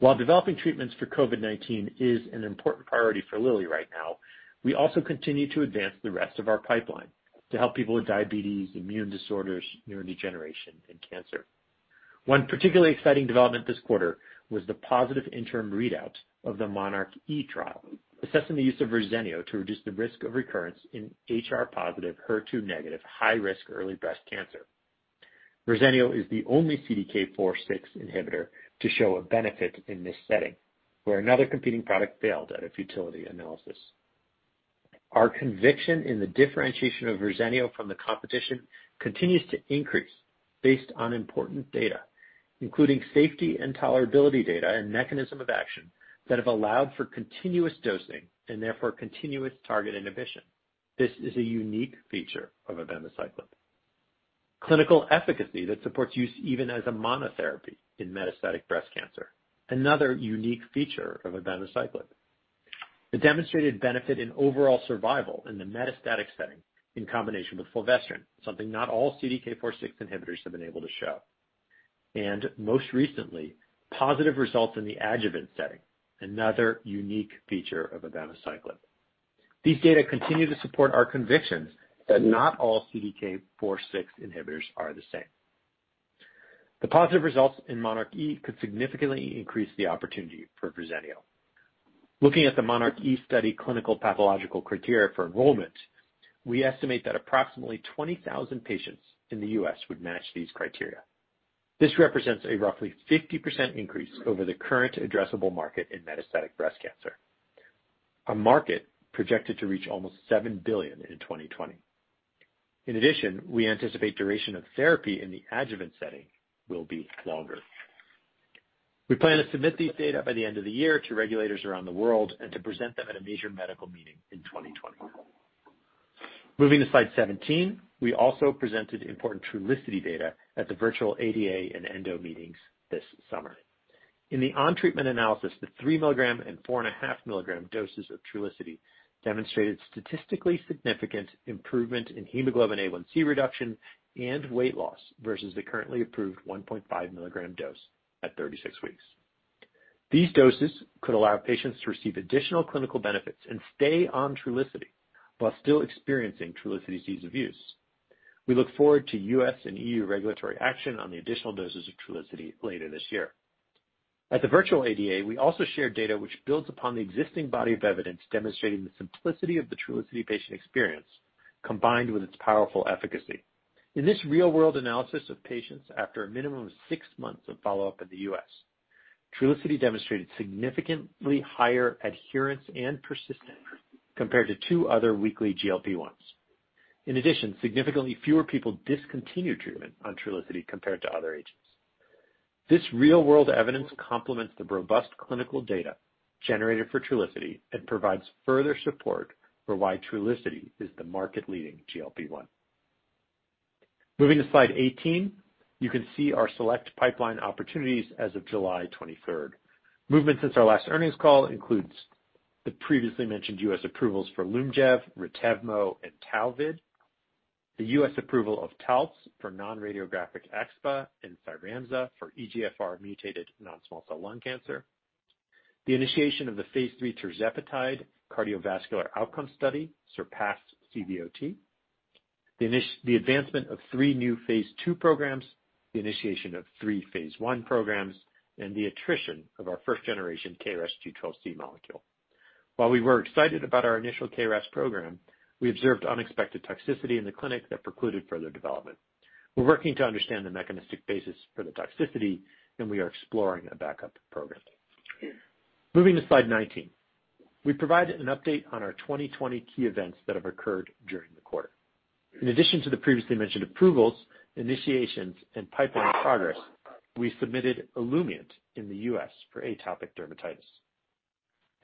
While developing treatments for COVID-19 is an important priority for Lilly right now, we also continue to advance the rest of our pipeline to help people with diabetes, immune disorders, neurodegeneration, and cancer. One particularly exciting development this quarter was the positive interim readout of the monarchE trial, assessing the use of Verzenio to reduce the risk of recurrence in HR-positive, HER2-negative, high-risk early breast cancer. Verzenio is the only CDK4/6 inhibitor to show a benefit in this setting, where another competing product failed at a futility analysis. Our conviction in the differentiation of Verzenio from the competition continues to increase based on important data, including safety and tolerability data and mechanism of action that have allowed for continuous dosing and therefore continuous target inhibition. This is a unique feature of abemaciclib. Clinical efficacy that supports use even as a monotherapy in metastatic breast cancer, another unique feature of abemaciclib. The demonstrated benefit in overall survival in the metastatic setting in combination with fulvestrant, something not all CDK4/6 inhibitors have been able to show. Most recently, positive results in the adjuvant setting, another unique feature of abemaciclib. These data continue to support our conviction that not all CDK4/6 inhibitors are the same. The positive results in monarchE could significantly increase the opportunity for Verzenio. Looking at the monarchE study clinical pathological criteria for enrollment, we estimate that approximately 20,000 patients in the U.S. would match these criteria. This represents a roughly 50% increase over the current addressable market in metastatic breast cancer, a market projected to reach almost $7 billion in 2020. In addition, we anticipate duration of therapy in the adjuvant setting will be longer. We plan to submit these data by the end of the year to regulators around the world and to present them at a major medical meeting in 2021. Moving to slide 17. We also presented important Trulicity data at the virtual ADA and ENDO meetings this summer. In the on-treatment analysis, the 3 mg and 4.5 mg doses of Trulicity demonstrated statistically significant improvement in hemoglobin A1C reduction and weight loss versus the currently approved 1.5 mg dose at 36 weeks. These doses could allow patients to receive additional clinical benefits and stay on Trulicity while still experiencing Trulicity's ease of use. We look forward to U.S. and EU regulatory action on the additional doses of Trulicity later this year. At the virtual ADA, we also shared data which builds upon the existing body of evidence demonstrating the simplicity of the Trulicity patient experience, combined with its powerful efficacy. In this real-world analysis of patients after a minimum of six months of follow-up in the U.S., Trulicity demonstrated significantly higher adherence and persistence compared to two other weekly GLP-1s. In addition, significantly fewer people discontinued treatment on Trulicity compared to other agents. This real-world evidence complements the robust clinical data generated for Trulicity and provides further support for why Trulicity is the market-leading GLP-1. Moving to slide 18. You can see our select pipeline opportunities as of July 23rd. Movement since our last earnings call includes the previously mentioned U.S. approvals for Lyumjev, Retevmo and Taltz, the U.S. approval of Taltz for non-radiographic axSpA and Cyramza for EGFR mutated non-small cell lung cancer. The initiation of the phase III tirzepatide cardiovascular outcome study SURPASS-CVOT. The advancement of three new phase II programs, the initiation of three phase I programs, and the attrition of our first-generation KRAS G12C molecule. While we were excited about our initial KRAS program, we observed unexpected toxicity in the clinic that precluded further development. We're working to understand the mechanistic basis for the toxicity, and we are exploring a backup program. Moving to slide 19. We provided an update on our 2020 key events that have occurred during the quarter. In addition to the previously mentioned approvals, initiations, and pipeline progress, we submitted OLUMIANT in the U.S. for atopic dermatitis.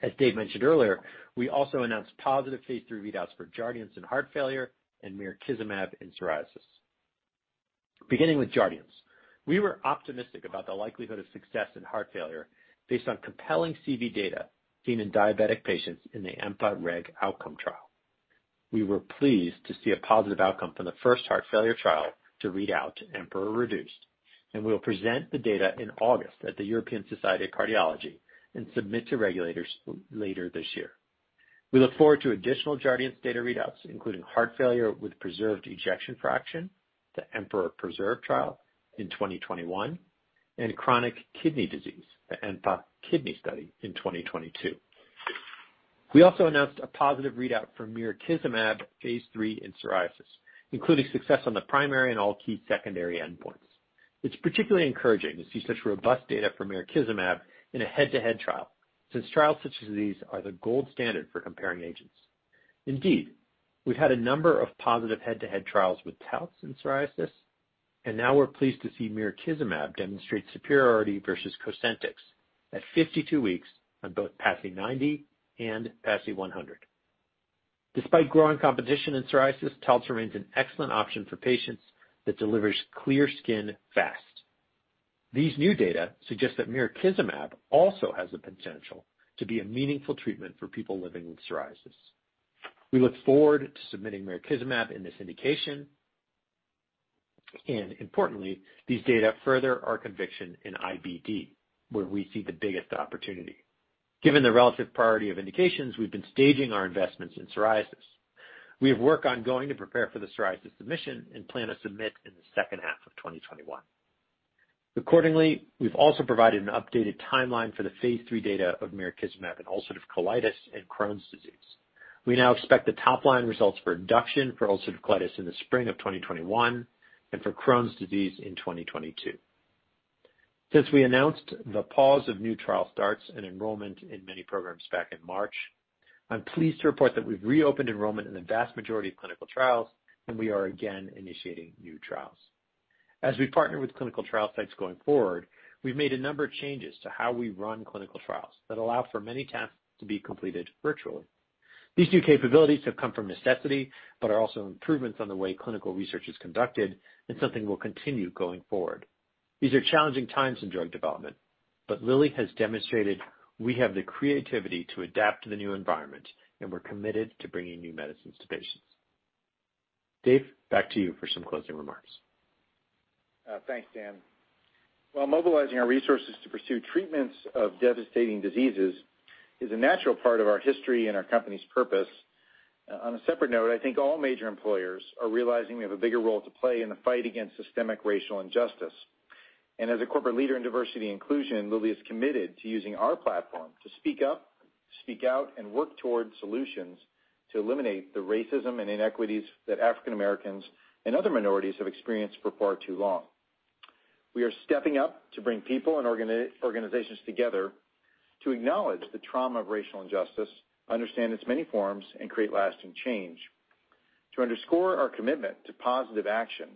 As Dave mentioned earlier, we also announced positive phase III readouts for Jardiance in heart failure and mirikizumab in psoriasis. Beginning with Jardiance. We were optimistic about the likelihood of success in heart failure based on compelling CV data seen in diabetic patients in the EMPA-REG OUTCOME trial. We were pleased to see a positive outcome from the first heart failure trial to read out EMPEROR-Reduced, and we will present the data in August at the European Society of Cardiology and submit to regulators later this year. We look forward to additional Jardiance data readouts, including heart failure with preserved ejection fraction, the EMPEROR-Preserved trial in 2021, and chronic kidney disease, the EMPA-KIDNEY Study in 2022. We also announced a positive readout for mirikizumab phase III in psoriasis, including success on the primary and all key secondary endpoints. It's particularly encouraging to see such robust data for mirikizumab in a head-to-head trial, since trials such as these are the gold standard for comparing agents. We've had a number of positive head-to-head trials with Taltz in psoriasis, and now we're pleased to see mirikizumab demonstrate superiority versus Cosentyx at 52 weeks on both PASI 90 and PASI 100. Despite growing competition in psoriasis, Taltz remains an excellent option for patients that delivers clear skin fast. These new data suggest that mirikizumab also has the potential to be a meaningful treatment for people living with psoriasis. We look forward to submitting mirikizumab in this indication, importantly, these data further our conviction in IBD, where we see the biggest opportunity. Given the relative priority of indications, we've been staging our investments in psoriasis. We have work ongoing to prepare for the psoriasis submission and plan to submit in the second half of 2021. Accordingly, we've also provided an updated timeline for the phase III data of mirikizumab in ulcerative colitis and Crohn's disease. We now expect the top-line results for induction for ulcerative colitis in the spring of 2021 and for Crohn's disease in 2022. Since we announced the pause of new trial starts and enrollment in many programs back in March, I'm pleased to report that we've reopened enrollment in the vast majority of clinical trials, and we are again initiating new trials. As we partner with clinical trial sites going forward, we've made a number of changes to how we run clinical trials that allow for many tasks to be completed virtually. These new capabilities have come from necessity, but are also improvements on the way clinical research is conducted and something we'll continue going forward. These are challenging times in drug development, but Lilly has demonstrated we have the creativity to adapt to the new environment, and we're committed to bringing new medicines to patients. Dave, back to you for some closing remarks. Thanks Dan. While mobilizing our resources to pursue treatments of devastating diseases is a natural part of our history and our company's purpose, on a separate note, I think all major employers are realizing we have a bigger role to play in the fight against systemic racial injustice. As a corporate leader in diversity and inclusion, Lilly is committed to using our platform to speak up, speak out, and work towards solutions to eliminate the racism and inequities that African Americans and other minorities have experienced for far too long. We are stepping up to bring people and organizations together to acknowledge the trauma of racial injustice, understand its many forms, and create lasting change. To underscore our commitment to positive action,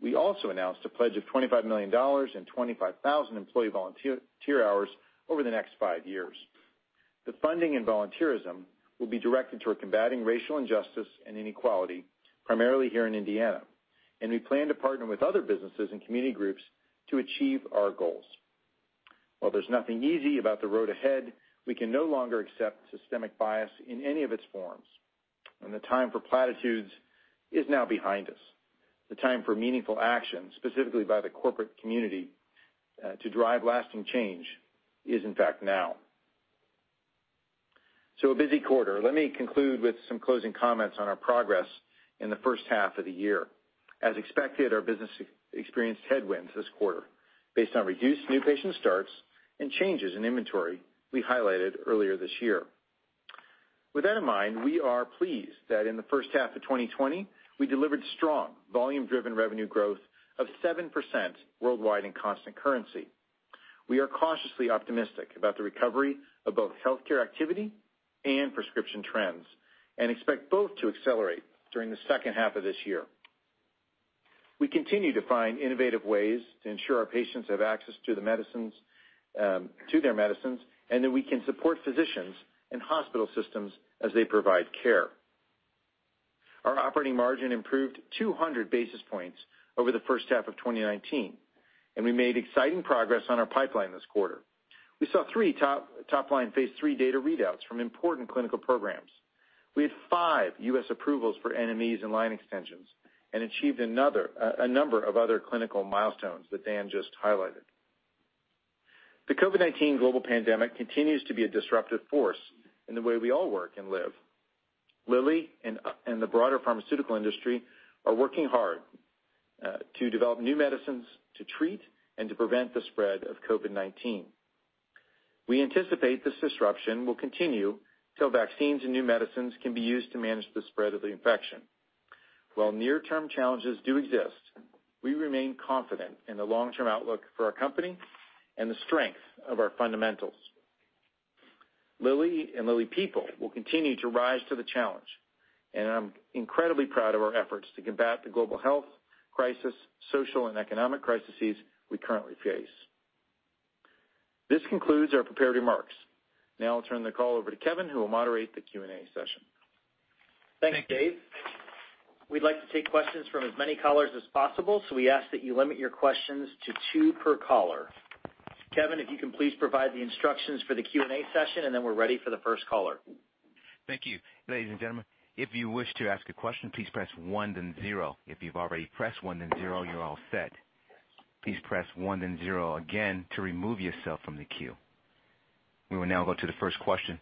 we also announced a pledge of $25 million and 25,000 employee volunteer hours over the next five years. The funding and volunteerism will be directed toward combating racial injustice and inequality, primarily here in Indiana, and we plan to partner with other businesses and community groups to achieve our goals. While there's nothing easy about the road ahead, we can no longer accept systemic bias in any of its forms, and the time for platitudes is now behind us. The time for meaningful action, specifically by the corporate community, to drive lasting change is, in fact, now. A busy quarter. Let me conclude with some closing comments on our progress in the first half of the year. As expected, our business experienced headwinds this quarter based on reduced new patient starts and changes in inventory we highlighted earlier this year. With that in mind, we are pleased that in the first half of 2020, we delivered strong volume-driven revenue growth of 7% worldwide in constant currency. We are cautiously optimistic about the recovery of both healthcare activity and prescription trends, and expect both to accelerate during the second half of this year. We continue to find innovative ways to ensure our patients have access to their medicines and that we can support physicians and hospital systems as they provide care. Our operating margin improved 200 basis points over the first half of 2019, and we made exciting progress on our pipeline this quarter. We saw three top-line phase III data readouts from important clinical programs. We had five U.S. approvals for NMEs and line extensions and achieved a number of other clinical milestones that Dan just highlighted. The COVID-19 global pandemic continues to be a disruptive force in the way we all work and live. Lilly and the broader pharmaceutical industry are working hard to develop new medicines to treat and to prevent the spread of COVID-19. We anticipate this disruption will continue till vaccines and new medicines can be used to manage the spread of the infection. While near-term challenges do exist, we remain confident in the long-term outlook for our company and the strength of our fundamentals. Lilly and Lilly people will continue to rise to the challenge, and I'm incredibly proud of our efforts to combat the global health crisis, social and economic crises we currently face. This concludes our prepared remarks. Now I'll turn the call over to Kevin, who will moderate the Q&A session. Thanks Dave. We'd like to take questions from as many callers as possible. We ask that you limit your questions to two per caller. Kevin, if you can please provide the instructions for the Q&A session. We're ready for the first caller. Thank you. Ladies and gentlemen, if you wish to ask a question, please press one, then zero. If you've already pressed one, then zero, you're all set. Please press one then zero again to remove yourself from the queue. We will now go to the first question,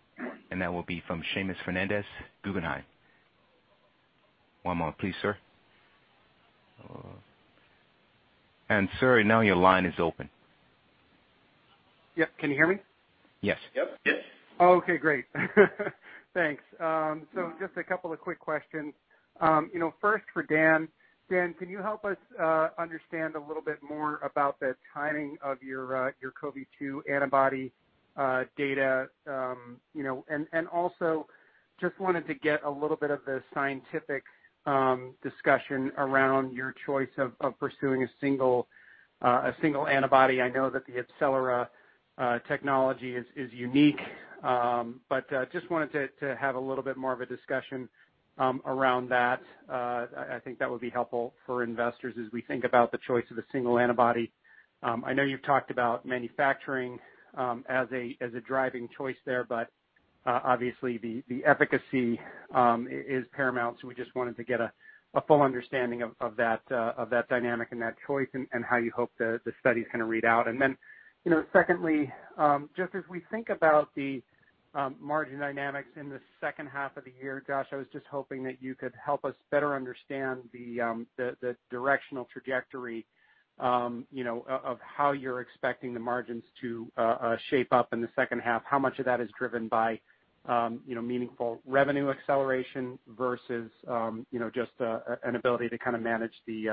that will be from Seamus Fernandez, Guggenheim. One moment, please, sir. Sir, now your line is open. Yep. Can you hear me? Yes. Yep. Yes. Okay, great. Thanks. Just a couple of quick questions. First for Dan. Dan, can you help us understand a little bit more about the timing of your CoV-2 antibody data? Also just wanted to get a little bit of the scientific discussion around your choice of pursuing a single antibody. I know that the AbCellera technology is unique, but just wanted to have a little bit more of a discussion around that. I think that would be helpful for investors as we think about the choice of a single antibody. I know you've talked about manufacturing as a driving choice there, but obviously the efficacy is paramount, so we just wanted to get a full understanding of that dynamic and that choice and how you hope the study's going to read out. Secondly, just as we think about the margin dynamics in the second half of the year. Josh, I was just hoping that you could help us better understand the directional trajectory of how you're expecting the margins to shape up in the second half. How much of that is driven by meaningful revenue acceleration versus just an ability to kind of manage the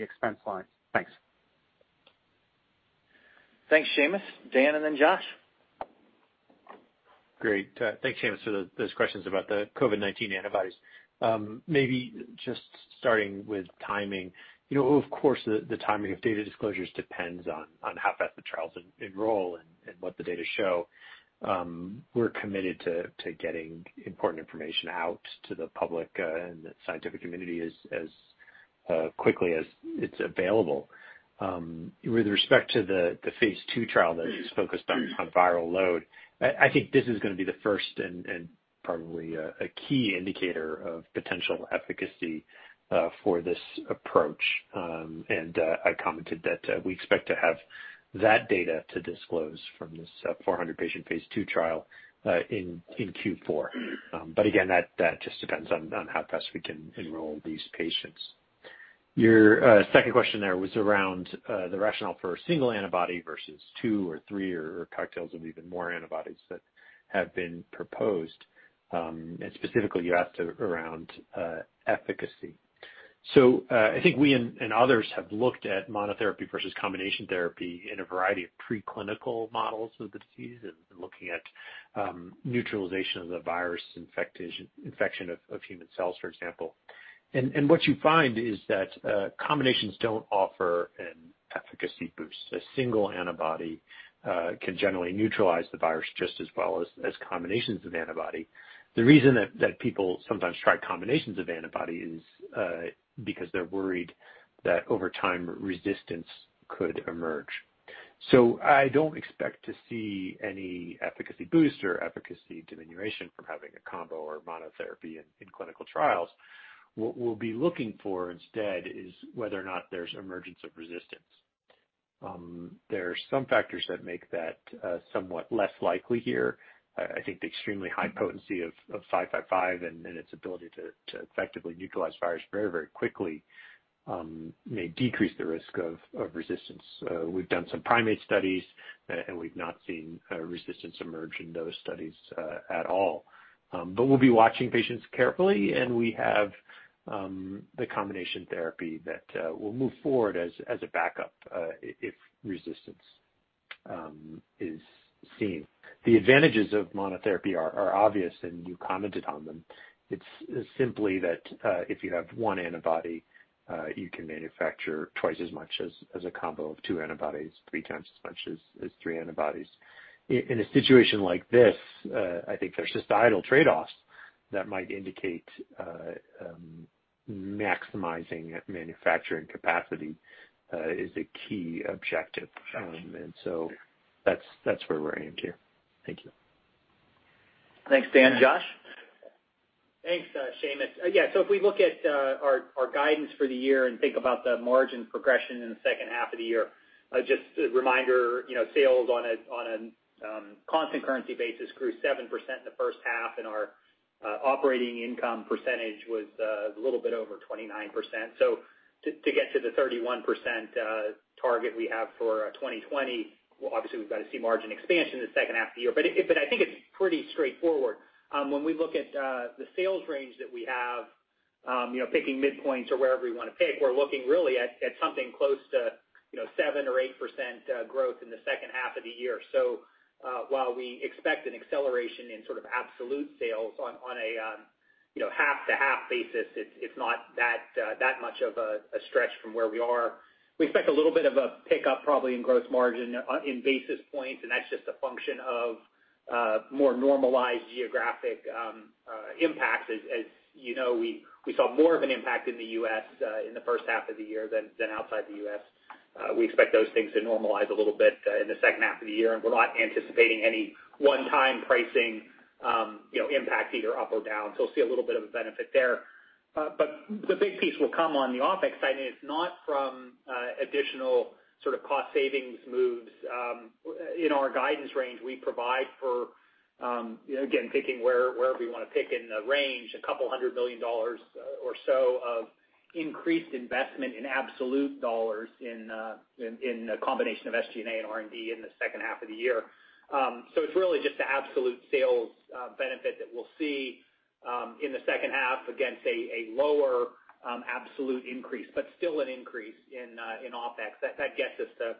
expense lines? Thanks. Thanks Seamus. Dan, and then Josh. Great. Thanks Seamus, for those questions about the COVID-19 antibodies. Maybe just starting with timing. Of course, the timing of data disclosures depends on how fast the trials enroll and what the data show. We're committed to getting important information out to the public and the scientific community as quickly as it's available. With respect to the phase II trial that is focused on viral load, I think this is going to be the first and probably a key indicator of potential efficacy for this approach. I commented that we expect to have that data to disclose from this 400-patient phase II trial in Q4. Again, that just depends on how fast we can enroll these patients. Your second question there was around the rationale for a single antibody versus two or three or cocktails of even more antibodies that have been proposed, and specifically, you asked around efficacy. I think we and others have looked at monotherapy versus combination therapy in a variety of preclinical models of the disease and looking at neutralization of the virus infection of human cells, for example. What you find is that combinations don't offer an efficacy boost. A single antibody can generally neutralize the virus just as well as combinations of antibody. The reason that people sometimes try combinations of antibody is because they're worried that over time, resistance could emerge. I don't expect to see any efficacy boost or efficacy diminution from having a combo or monotherapy in clinical trials. What we'll be looking for instead is whether or not there's emergence of resistance. There are some factors that make that somewhat less likely here. I think the extremely high potency of 555 and its ability to effectively neutralize virus very, very quickly may decrease the risk of resistance. We've done some primate studies, and we've not seen resistance emerge in those studies at all. We'll be watching patients carefully, and we have the combination therapy that we'll move forward as a backup, if resistance is seen. The advantages of monotherapy are obvious, and you commented on them. It's simply that if you have one antibody, you can manufacture twice as much as a combo of two antibodies, three times as much as three antibodies. In a situation like this, I think there's just idle trade-offs that might indicate maximizing manufacturing capacity is a key objective. That's where we're aimed here. Thank you. Thanks Dan. Josh? Thanks Seamus. If we look at our guidance for the year and think about the margin progression in the second half of the year, just a reminder, sales on a constant currency basis grew 7% in the first half, and our operating income percentage was a little bit over 29%. To get to the 31% target we have for 2020, obviously we've got to see margin expansion in the second half of the year. I think it's pretty straightforward. When we look at the sales range that we have, picking midpoints or wherever we want to pick, we're looking really at something close to 7% or 8% growth in the second half of the year. While we expect an acceleration in sort of absolute sales on a half-to-half basis, it's not that much of a stretch from where we are. We expect a little bit of a pickup probably in gross margin in basis points. That's just a function of more normalized geographic impacts. As you know, we saw more of an impact in the U.S. in the first half of the year than outside the U.S.. We expect those things to normalize a little bit in the second half of the year. We're not anticipating any one-time pricing impact either up or down. We'll see a little bit of a benefit there. The big piece will come on the OpEx side. It's not from additional sort of cost savings moves. In our guidance range we provide for, again, picking wherever you want to pick in the range, $200 million or so of increased investment in absolute dollars in a combination of SG&A and R&D in the second half of the year. It's really just the absolute sales benefit that we'll see in the second half against a lower absolute increase, but still an increase in OpEx. That gets us to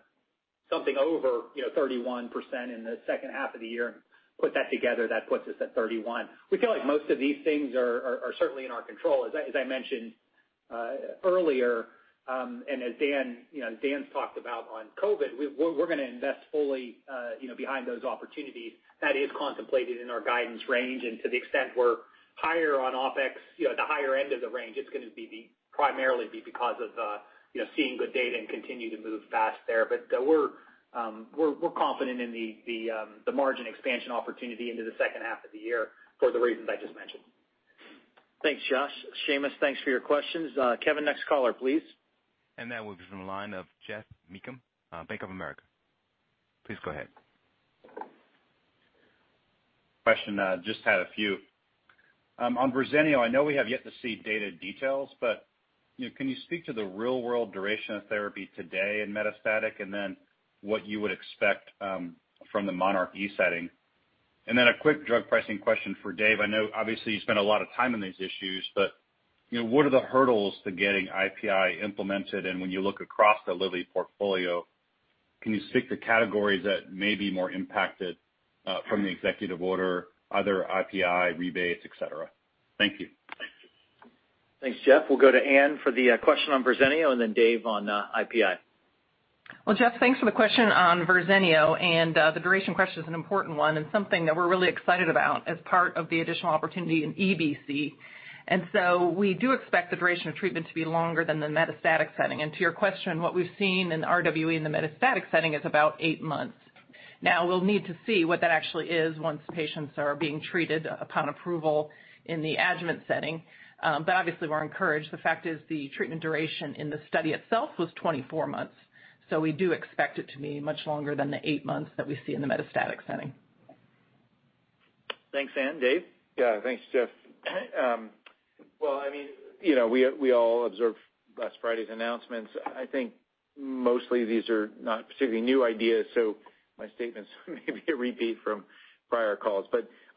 something over 31% in the second half of the year and put that together, that puts us at 31%. We feel like most of these things are certainly in our control. As I mentioned earlier, and as Dan's talked about on COVID, we're going to invest fully behind those opportunities. That is contemplated in our guidance range. To the extent we're higher on OpEx, at the higher end of the range, it's going to primarily be because of seeing good data and continue to move fast there. We're confident in the margin expansion opportunity into the second half of the year for the reasons I just mentioned. Thanks Josh. Seamus, thanks for your questions. Kevin, next caller, please. That will be from the line of Geoff Meacham, Bank of America. Please go ahead. Question. Just had a few. On Verzenio, I know we have yet to see data details, but can you speak to the real-world duration of therapy today in metastatic, and then what you would expect from the monarchE setting? A quick drug pricing question for Dave. I know obviously you spend a lot of time on these issues, but what are the hurdles to getting IPI implemented? When you look across the Lilly portfolio, can you speak to categories that may be more impacted from the executive order, either IPI, rebates, etc.? Thank you. Thanks Geoff. We'll go to Anne for the question on Verzenio and then Dave on IPI. Well, Geoff, thanks for the question on Verzenio, the duration question is an important one and something that we're really excited about as part of the additional opportunity in EBC. We do expect the duration of treatment to be longer than the metastatic setting. To your question, what we've seen in RWE in the metastatic setting is about eight months. Now, we'll need to see what that actually is once patients are being treated upon approval in the adjuvant setting. Obviously, we're encouraged. The fact is the treatment duration in the study itself was 24 months. We do expect it to be much longer than the eight months that we see in the metastatic setting. Thanks Anne. Dave? Yeah. Thanks Geoff. Well, we all observed last Friday's announcements. I think mostly these are not particularly new ideas, so my statements may be a repeat from prior calls.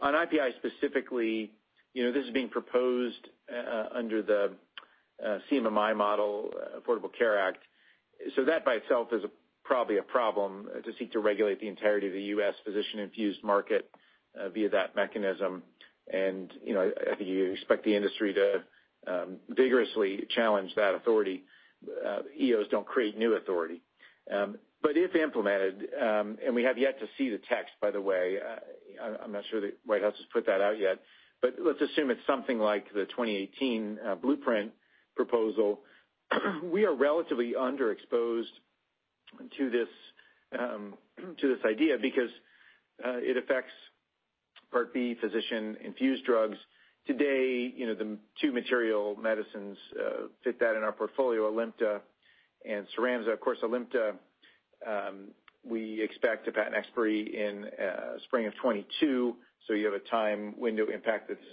On IPI specifically, this is being proposed under the CMMI model Affordable Care Act. That by itself is probably a problem to seek to regulate the entirety of the U.S. physician-infused market via that mechanism. I think you expect the industry to vigorously challenge that authority. EOs don't create new authority. If implemented, and we have yet to see the text, by the way, I'm not sure the White House has put that out yet, but let's assume it's something like the 2018 blueprint proposal. We are relatively underexposed to this idea because it affects Part B physician-infused drugs. Today, the two material medicines fit that in our portfolio, Alimta and Cyramza. Of course, Alimta, we expect a patent expiry in spring of 2022, so you have a time window impact that's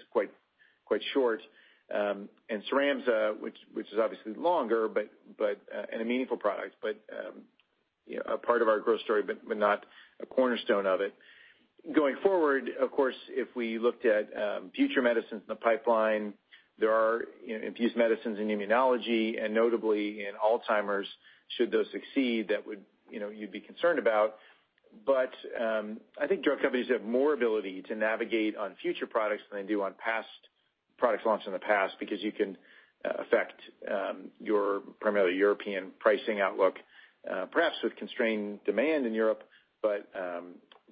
quite short. Cyramza, which is obviously longer and a meaningful product, but a part of our growth story, but not a cornerstone of it. Going forward, of course, if we looked at future medicines in the pipeline, there are infused medicines in immunology and notably in Alzheimer's, should those succeed, that you'd be concerned about. I think drug companies have more ability to navigate on future products than they do on past products launched in the past because you can affect your primarily European pricing outlook, perhaps with constrained demand in Europe, but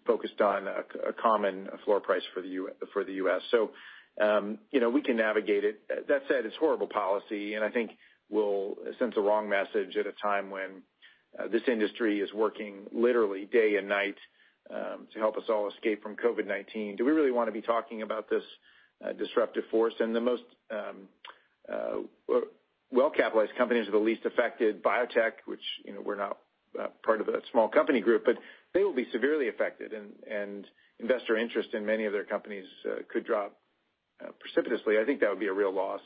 focused on a common floor price for the U.S. We can navigate it. That said, it's horrible policy, and I think will send the wrong message at a time when this industry is working literally day and night to help us all escape from COVID-19. Do we really want to be talking about this disruptive force? The most well-capitalized companies are the least affected. Biotech, which we're not part of that small company group, but they will be severely affected and investor interest in many of their companies could drop precipitously. I think that would be a real loss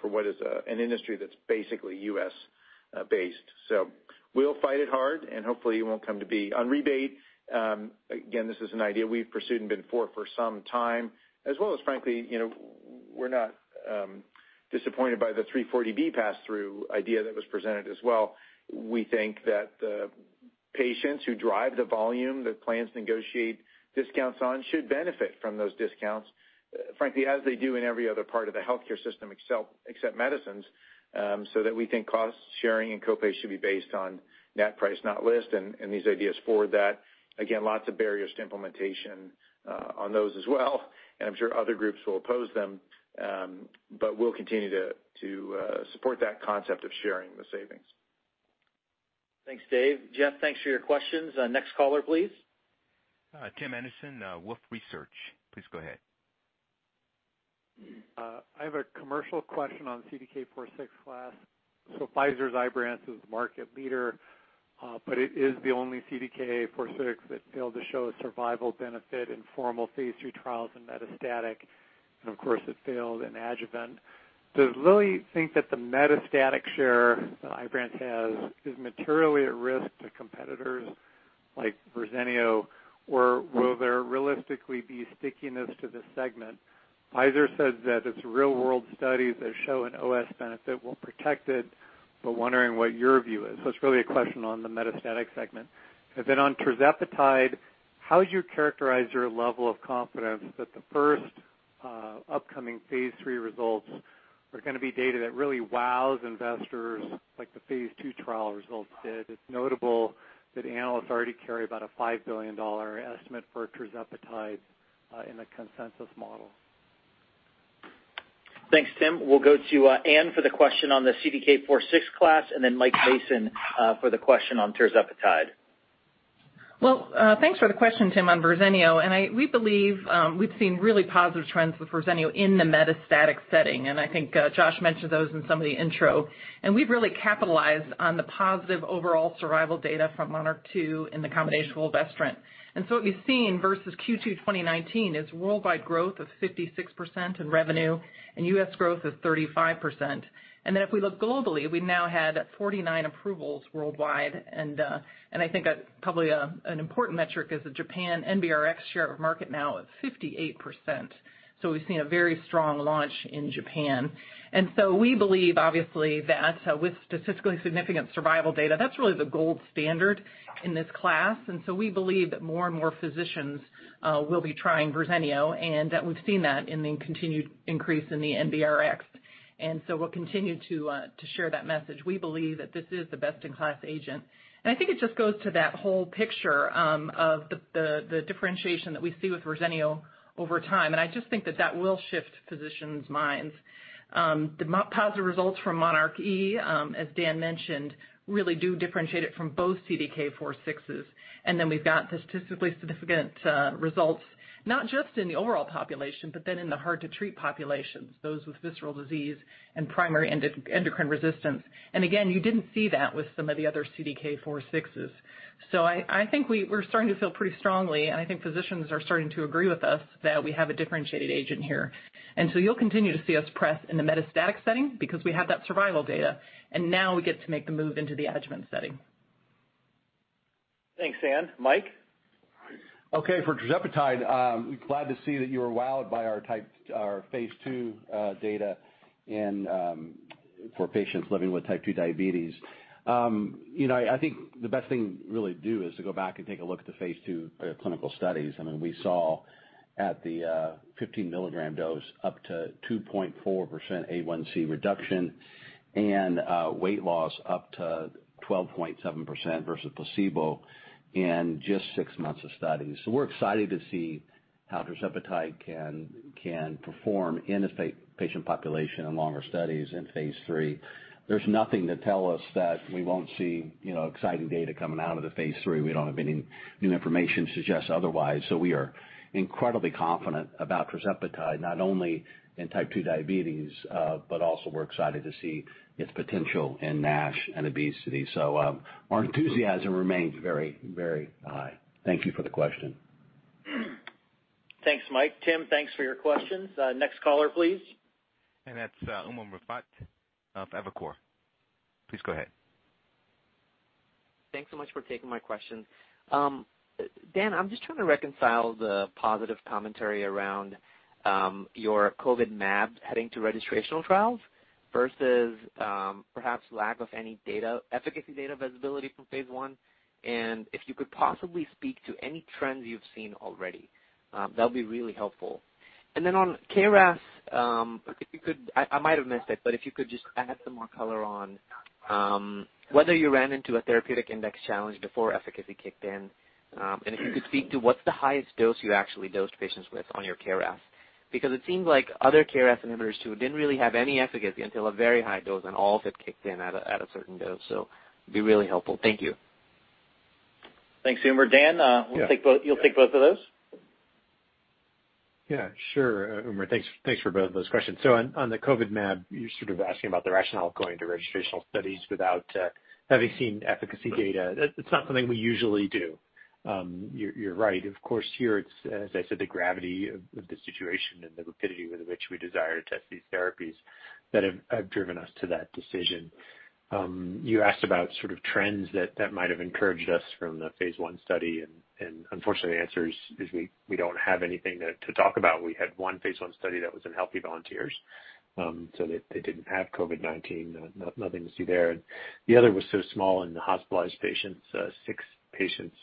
for what is an industry that's basically U.S.-based. We'll fight it hard, and hopefully it won't come to be. On rebate, again, this is an idea we've pursued and been for some time, as well as frankly, we're not disappointed by the 340B pass-through idea that was presented as well. We think that the patients who drive the volume, the plans negotiate discounts on should benefit from those discounts, frankly, as they do in every other part of the healthcare system except medicines, so that we think cost sharing and copay should be based on net price, not list, and these ideas forward that. Again, lots of barriers to implementation on those as well, and I'm sure other groups will oppose them. We'll continue to support that concept of sharing the savings. Thanks Dave. Geoff, thanks for your questions. Next caller, please. Tim Anderson, Wolfe Research. Please go ahead. I have a commercial question on the CDK4/6 class. Pfizer's Ibrance is the market leader, but it is the only CDK4/6 that failed to show a survival benefit in formal phase III trials in metastatic. Of course, it failed in adjuvant. Does Lilly think that the metastatic share that Ibrance has is materially at risk to competitors like Verzenio, or will there realistically be stickiness to this segment? Pfizer says that its real-world studies that show an OS benefit were protected, but wondering what your view is. It's really a question on the metastatic segment. On tirzepatide, how would you characterize your level of confidence that the first upcoming phase III results are going to be data that really wows investors like the phase II trial results did? It's notable that analysts already carry about a $5 billion estimate for tirzepatide in the consensus model. Thanks Tim. We'll go to Anne for the question on the CDK4/6 class and then Mike Mason for the question on tirzepatide. Thanks for the question, Tim, on Verzenio. We believe we've seen really positive trends with Verzenio in the metastatic setting, and I think Josh mentioned those in some of the intro. We've really capitalized on the positive overall survival data from MONARCH 2 in the combination with fulvestrant. What we've seen versus Q2 2019 is worldwide growth of 56% in revenue and U.S. growth of 35%. If we look globally, we've now had 49 approvals worldwide and I think probably an important metric is that Japan NBRx share of market now is 58%. We've seen a very strong launch in Japan. We believe, obviously, that with statistically significant survival data, that's really the gold standard in this class. We believe that more and more physicians will be trying Verzenio and that we've seen that in the continued increase in the NBRx. We'll continue to share that message. We believe that this is the best-in-class agent. I think it just goes to that whole picture of the differentiation that we see with Verzenio over time. I just think that that will shift physicians' minds. The positive results from monarchE, as Dan mentioned, really do differentiate it from both CDK4/6s. We've got statistically significant results, not just in the overall population, but then in the hard-to-treat populations, those with visceral disease and primary endocrine resistance. Again, you didn't see that with some of the other CDK4/6s. I think we're starting to feel pretty strongly, and I think physicians are starting to agree with us that we have a differentiated agent here. You'll continue to see us press in the metastatic setting because we have that survival data, and now we get to make the move into the adjuvant setting. Thanks Anne. Mike? Okay, for tirzepatide, glad to see that you were wowed by our Phase II data for patients living with type 2 diabetes. I mean, we saw at the 15-milligram dose up to 2.4% A1C reduction and weight loss up to 12.7% versus placebo in just six months of study. We're excited to see how tirzepatide can perform in a patient population in longer studies in Phase III. There's nothing to tell us that we won't see exciting data coming out of the Phase III. We don't have any new information to suggest otherwise. We are incredibly confident about tirzepatide, not only in type 2 diabetes, but also we're excited to see its potential in NASH and obesity. Our enthusiasm remains very, very high. Thank you for the question. Thanks Mike. Tim, thanks for your questions. Next caller, please. That's Umer Raffat of Evercore. Please go ahead. Thanks so much for taking my question. Dan, I'm just trying to reconcile the positive commentary around your COVID mAb heading to registrational trials versus perhaps lack of any efficacy data visibility from phase I. If you could possibly speak to any trends you've seen already, that'll be really helpful. On KRAS, I might have missed it, but if you could just add some more color on whether you ran into a therapeutic index challenge before efficacy kicked in. If you could speak to what's the highest dose you actually dosed patients with on your KRAS, because it seems like other KRAS inhibitors, too, didn't really have any efficacy until a very high dose, and all of it kicked in at a certain dose. It'd be really helpful. Thank you. Thanks Umer. Dan, you'll take both of those? Yeah, sure, Umer. Thanks for both of those questions. On the COVID mAb, you're sort of asking about the rationale of going to registrational studies without having seen efficacy data. It's not something we usually do. You're right. Of course, here it's, as I said, the gravity of the situation and the rapidity with which we desire to test these therapies that have driven us to that decision. You asked about sort of trends that might have encouraged us from the phase I study, and unfortunately, the answer is we don't have anything to talk about. We had one phase I study that was in healthy volunteers, so they didn't have COVID-19, nothing to see there. The other was so small in the hospitalized patients, six patients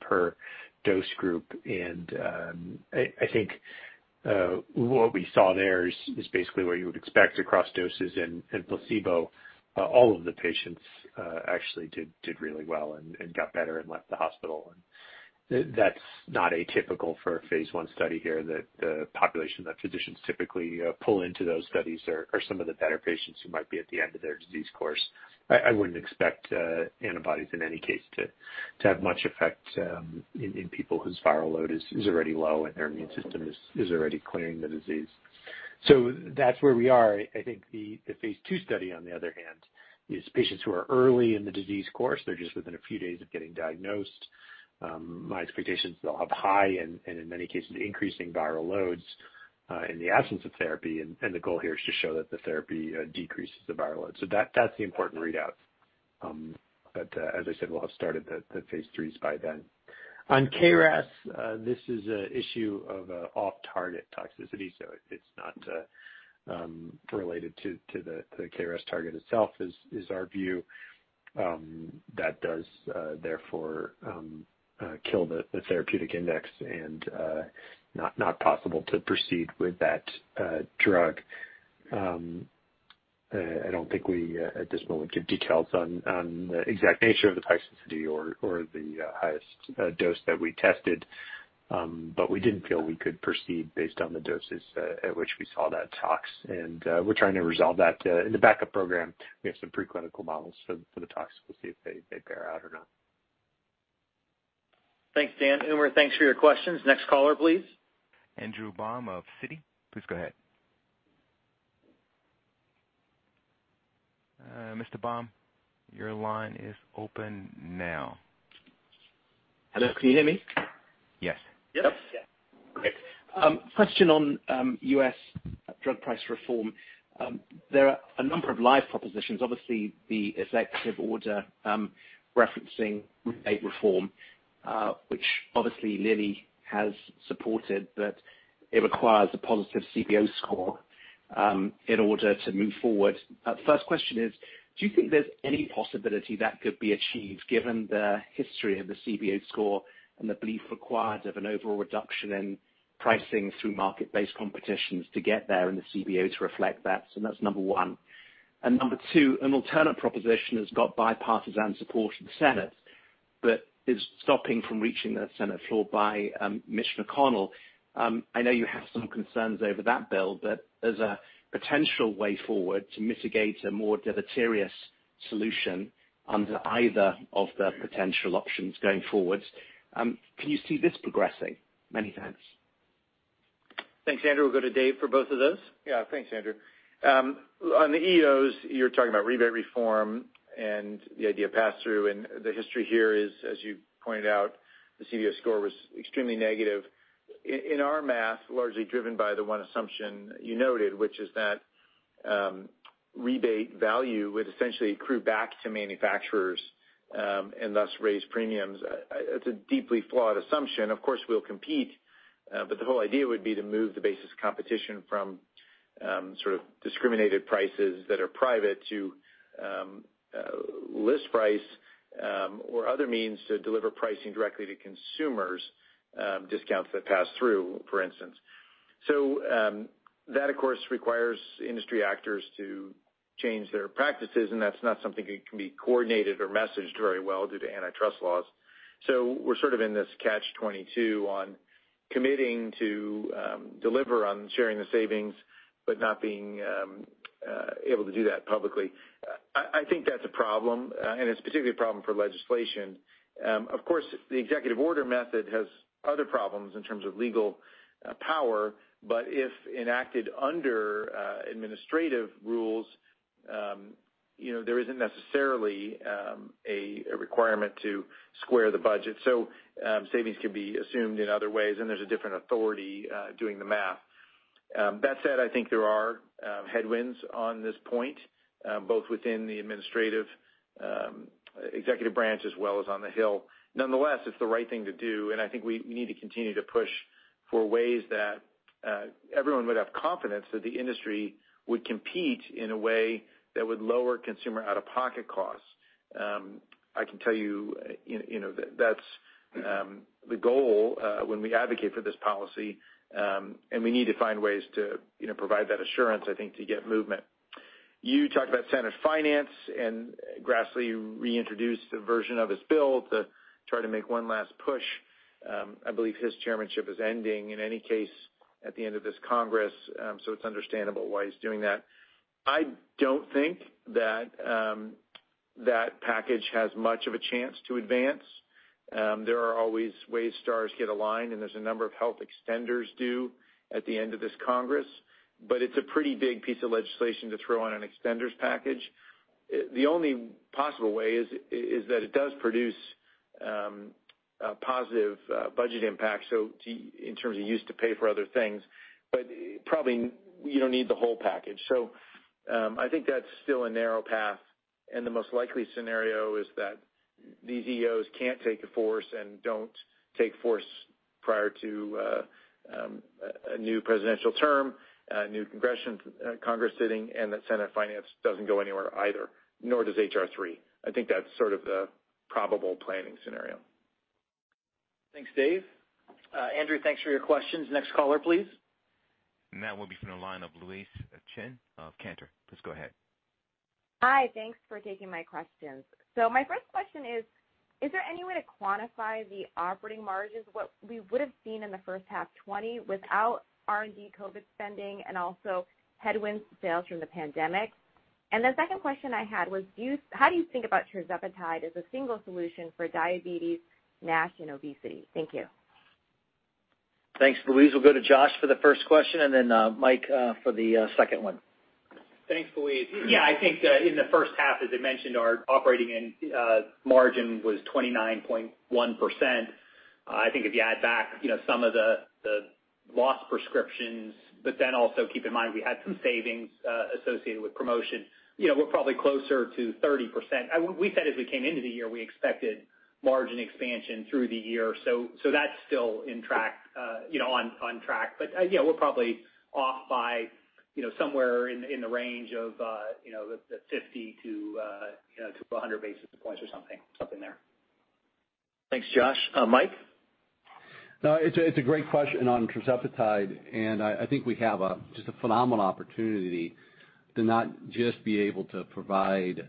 per dose group. I think what we saw there is basically what you would expect across doses in placebo. All of the patients actually did really well and got better and left the hospital, and that's not atypical for a phase I study here. The population that physicians typically pull into those studies are some of the better patients who might be at the end of their disease course. I wouldn't expect antibodies in any case to have much effect in people whose viral load is already low and their immune system is already clearing the disease. That's where we are. I think the phase II study, on the other hand, is patients who are early in the disease course. They're just within a few days of getting diagnosed. My expectation is they'll have high and in many cases, increasing viral loads in the absence of therapy and the goal here is to show that the therapy decreases the viral load. That's the important readout. As I said, we'll have started the phase III's by then. On KRAS, this is an issue of off-target toxicity, so it's not related to the KRAS target itself is our view. That does therefore kill the therapeutic index and not possible to proceed with that drug. I don't think we, at this moment, give details on the exact nature of the toxicity or the highest dose that we tested We didn't feel we could proceed based on the doses at which we saw that tox, and we're trying to resolve that in the backup program. We have some pre-clinical models for the tox. We'll see if they bear out or not. Thanks Dan. Umer, thanks for your questions. Next caller, please. Andrew Baum of Citi, please go ahead. Mr. Baum, your line is open now. Hello, can you hear me? Yes. Yes. Great. Question on U.S. drug price reform. There are a number of live propositions, obviously the executive order referencing rebate reform which obviously Lilly has supported. It requires a positive CBO score in order to move forward. First question is, do you think there's any possibility that could be achieved given the history of the CBO score and the belief required of an overall reduction in pricing through market-based competitions to get there and the CBO to reflect that? That's number one. Number two, an alternate proposition has got bipartisan support in the Senate but is stopping from reaching the Senate floor by Mitch McConnell. I know you have some concerns over that bill, as a potential way forward to mitigate a more deleterious solution under either of the potential options going forwards, can you see this progressing? Many thanks. Thanks Andrew. We'll go to Dave for both of those. Yeah. Thanks, Andrew. On the EOs, you're talking about rebate reform and the idea of pass-through, the history here is, as you pointed out, the CBO score was extremely negative. In our math, largely driven by the one assumption you noted, which is that rebate value would essentially accrue back to manufacturers, and thus raise premiums. It's a deeply flawed assumption. Of course, we'll compete, but the whole idea would be to move the basis of competition from sort of discriminated prices that are private to list price or other means to deliver pricing directly to consumers, discounts that pass through, for instance. That, of course, requires industry actors to change their practices, and that's not something that can be coordinated or messaged very well due to antitrust laws. We're sort of in this catch 22 on committing to deliver on sharing the savings, but not being able to do that publicly. I think that's a problem, and it's particularly a problem for legislation. Of course, the executive order method has other problems in terms of legal power, but if enacted under administrative rules, there isn't necessarily a requirement to square the budget. Savings can be assumed in other ways, and there's a different authority doing the math. That said, I think there are headwinds on this point, both within the administrative executive branch as well as on the Hill. Nonetheless, it's the right thing to do, and I think we need to continue to push for ways that everyone would have confidence that the industry would compete in a way that would lower consumer out-of-pocket costs. I can tell you that's the goal when we advocate for this policy, and we need to find ways to provide that assurance, I think, to get movement. You talked about Senate Finance. Grassley reintroduced a version of his bill to try to make one last push. I believe his chairmanship is ending in any case at the end of this Congress, so it's understandable why he's doing that. I don't think that that package has much of a chance to advance. There are always ways stars get aligned, and there's a number of health extenders due at the end of this Congress, but it's a pretty big piece of legislation to throw on an extenders package. The only possible way is that it does produce a positive budget impact, so in terms of use to pay for other things. Probably you don't need the whole package. I think that's still a narrow path, and the most likely scenario is that these EOs can't take force and don't take force prior to a new presidential term, a new Congress sitting, and that Senate Finance doesn't go anywhere either, nor does H.R.3. I think that's sort of the probable planning scenario. Thanks Dave. Andrew, thanks for your questions. Next caller, please. Now we'll be from the line of Louise Chen of Cantor. Please go ahead. Hi. Thanks for taking my questions. My first question is there any way to quantify the operating margins, what we would have seen in the first half 2020 without R&D COVID spending and also headwinds to sales from the pandemic? The second question I had was how do you think about tirzepatide as a single solution for diabetes, NASH, and obesity? Thank you. Thanks Louise. We'll go to Josh for the first question and then Mike for the second one. Thanks Louise. Yeah, I think in the first half, as I mentioned, our operating margin was 29.1%. I think if you add back some of the lost prescriptions, but then also keep in mind we had some savings associated with promotion, we're probably closer to 30%. We said as we came into the year we expected margin expansion through the year, that's still on track. Yeah, we're probably off by somewhere in the range of the 50-100 basis points or something there. Thanks Josh. Mike? No, it's a great question on tirzepatide. I think we have just a phenomenal opportunity to not just be able to provide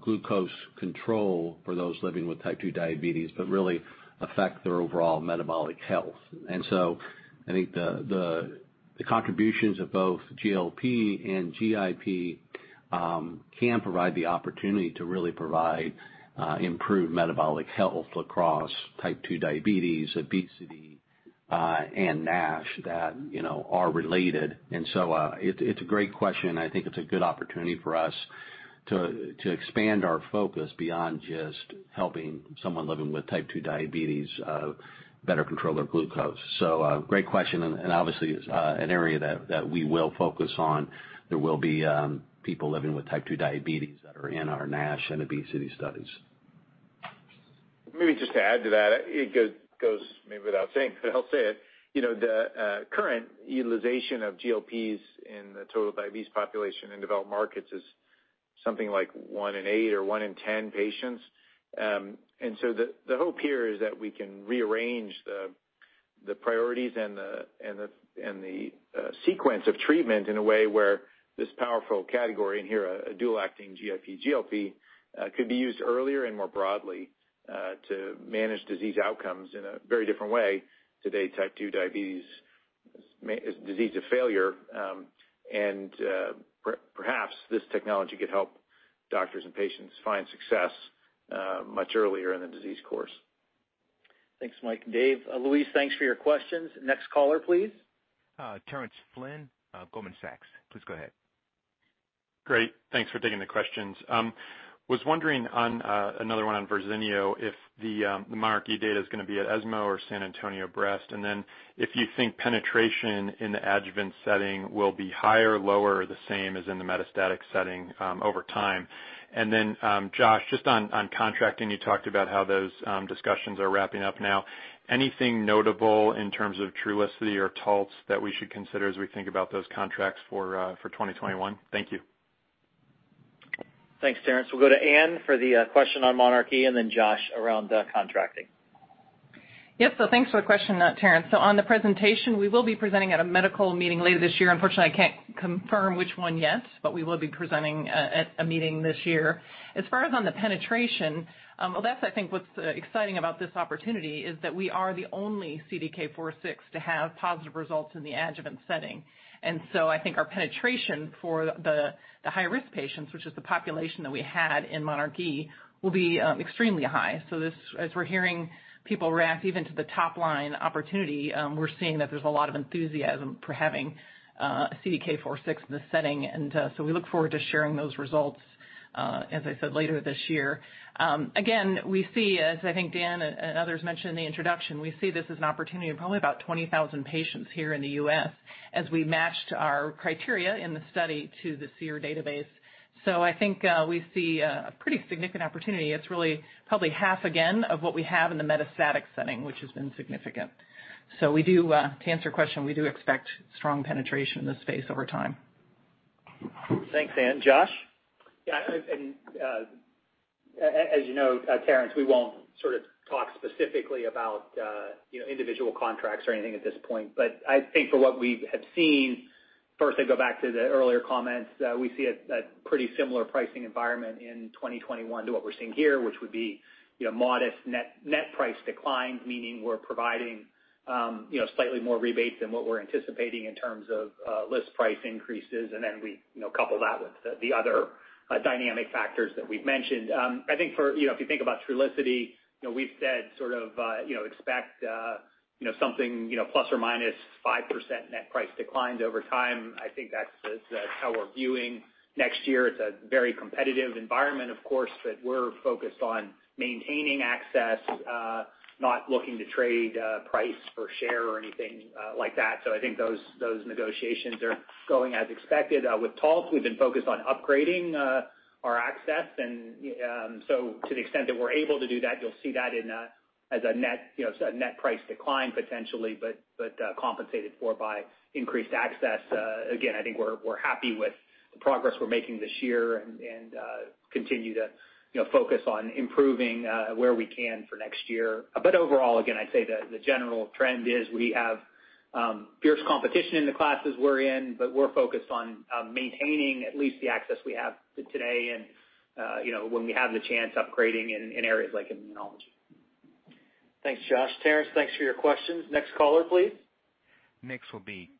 glucose control for those living with type 2 diabetes, but really affect their overall metabolic health. I think the The contributions of both GLP and GIP can provide the opportunity to really provide improved metabolic health across type 2 diabetes, obesity, and NASH that are related. It's a great question, and I think it's a good opportunity for us to expand our focus beyond just helping someone living with type 2 diabetes better control their glucose. Great question, and obviously, an area that we will focus on. There will be people living with type 2 diabetes that are in our NASH and obesity studies. Maybe just to add to that. It goes maybe without saying, but I'll say it. The current utilization of GLPs in the total diabetes population in developed markets is something like one in eight or one in 10 patients. The hope here is that we can rearrange the priorities and the sequence of treatment in a way where this powerful category, and here a dual-acting GIP/GLP, could be used earlier and more broadly, to manage disease outcomes in a very different way. Today, type 2 diabetes is a disease of failure, and perhaps this technology could help doctors and patients find success much earlier in the disease course. Thanks Mike and Dave. Louise, thanks for your questions. Next caller, please. Terence Flynn of Goldman Sachs. Please go ahead. Great. Thanks for taking the questions. Was wondering on another one on Verzenio, if the monarchE data is going to be at ESMO or San Antonio Breast. If you think penetration in the adjuvant setting will be higher, lower, or the same as in the metastatic setting over time. Josh, just on contracting, you talked about how those discussions are wrapping up now. Anything notable in terms of Trulicity or Taltz that we should consider as we think about those contracts for 2021? Thank you. Thanks Terence. We'll go to Anne for the question on monarchE and then Josh around contracting. Yes. Thanks for the question, Terence. On the presentation, we will be presenting at a medical meeting later this year. Unfortunately, I can't confirm which one yet, but we will be presenting at a meeting this year. As far as on the penetration, well, that's I think what's exciting about this opportunity is that we are the only CDK4/6 to have positive results in the adjuvant setting. I think our penetration for the high-risk patients, which is the population that we had in monarchE, will be extremely high. As we're hearing people react even to the top-line opportunity, we're seeing that there's a lot of enthusiasm for having a CDK4/6 in this setting. We look forward to sharing those results, as I said, later this year. Again, we see, as I think Dan and others mentioned in the introduction, we see this as an opportunity of probably about 20,000 patients here in the U.S. as we matched our criteria in the study to the SEER database. So I think we see a pretty significant opportunity. It's really probably half again of what we have in the metastatic setting, which has been significant. So to answer your question, we do expect strong penetration in this space over time. Thanks Anne. Josh? As you know, Terence, we won't talk specifically about individual contracts or anything at this point. I think for what we have seen, first, I go back to the earlier comments. We see a pretty similar pricing environment in 2021 to what we're seeing here, which would be modest net price declines, meaning we're providing slightly more rebates than what we're anticipating in terms of list price increases. We couple that with the other dynamic factors that we've mentioned. I think if you think about Trulicity, we've said sort of expect something plus or minus 5% net price declines over time. I think that's how we're viewing next year. It's a very competitive environment, of course, but we're focused on maintaining access, not looking to trade price for share or anything like that. I think those negotiations are going as expected. With Taltz, we've been focused on upgrading our access. To the extent that we're able to do that, you'll see that as a net price decline, potentially, but compensated for by increased access. Again, I think we're happy with the progress we're making this year and continue to focus on improving where we can for next year. Overall, again, I'd say the general trend is we have fierce competition in the classes we're in, but we're focused on maintaining at least the access we have today, and when we have the chance, upgrading in areas like immunology. Thanks Josh. Terence, thanks for your questions. Next caller, please. Next will be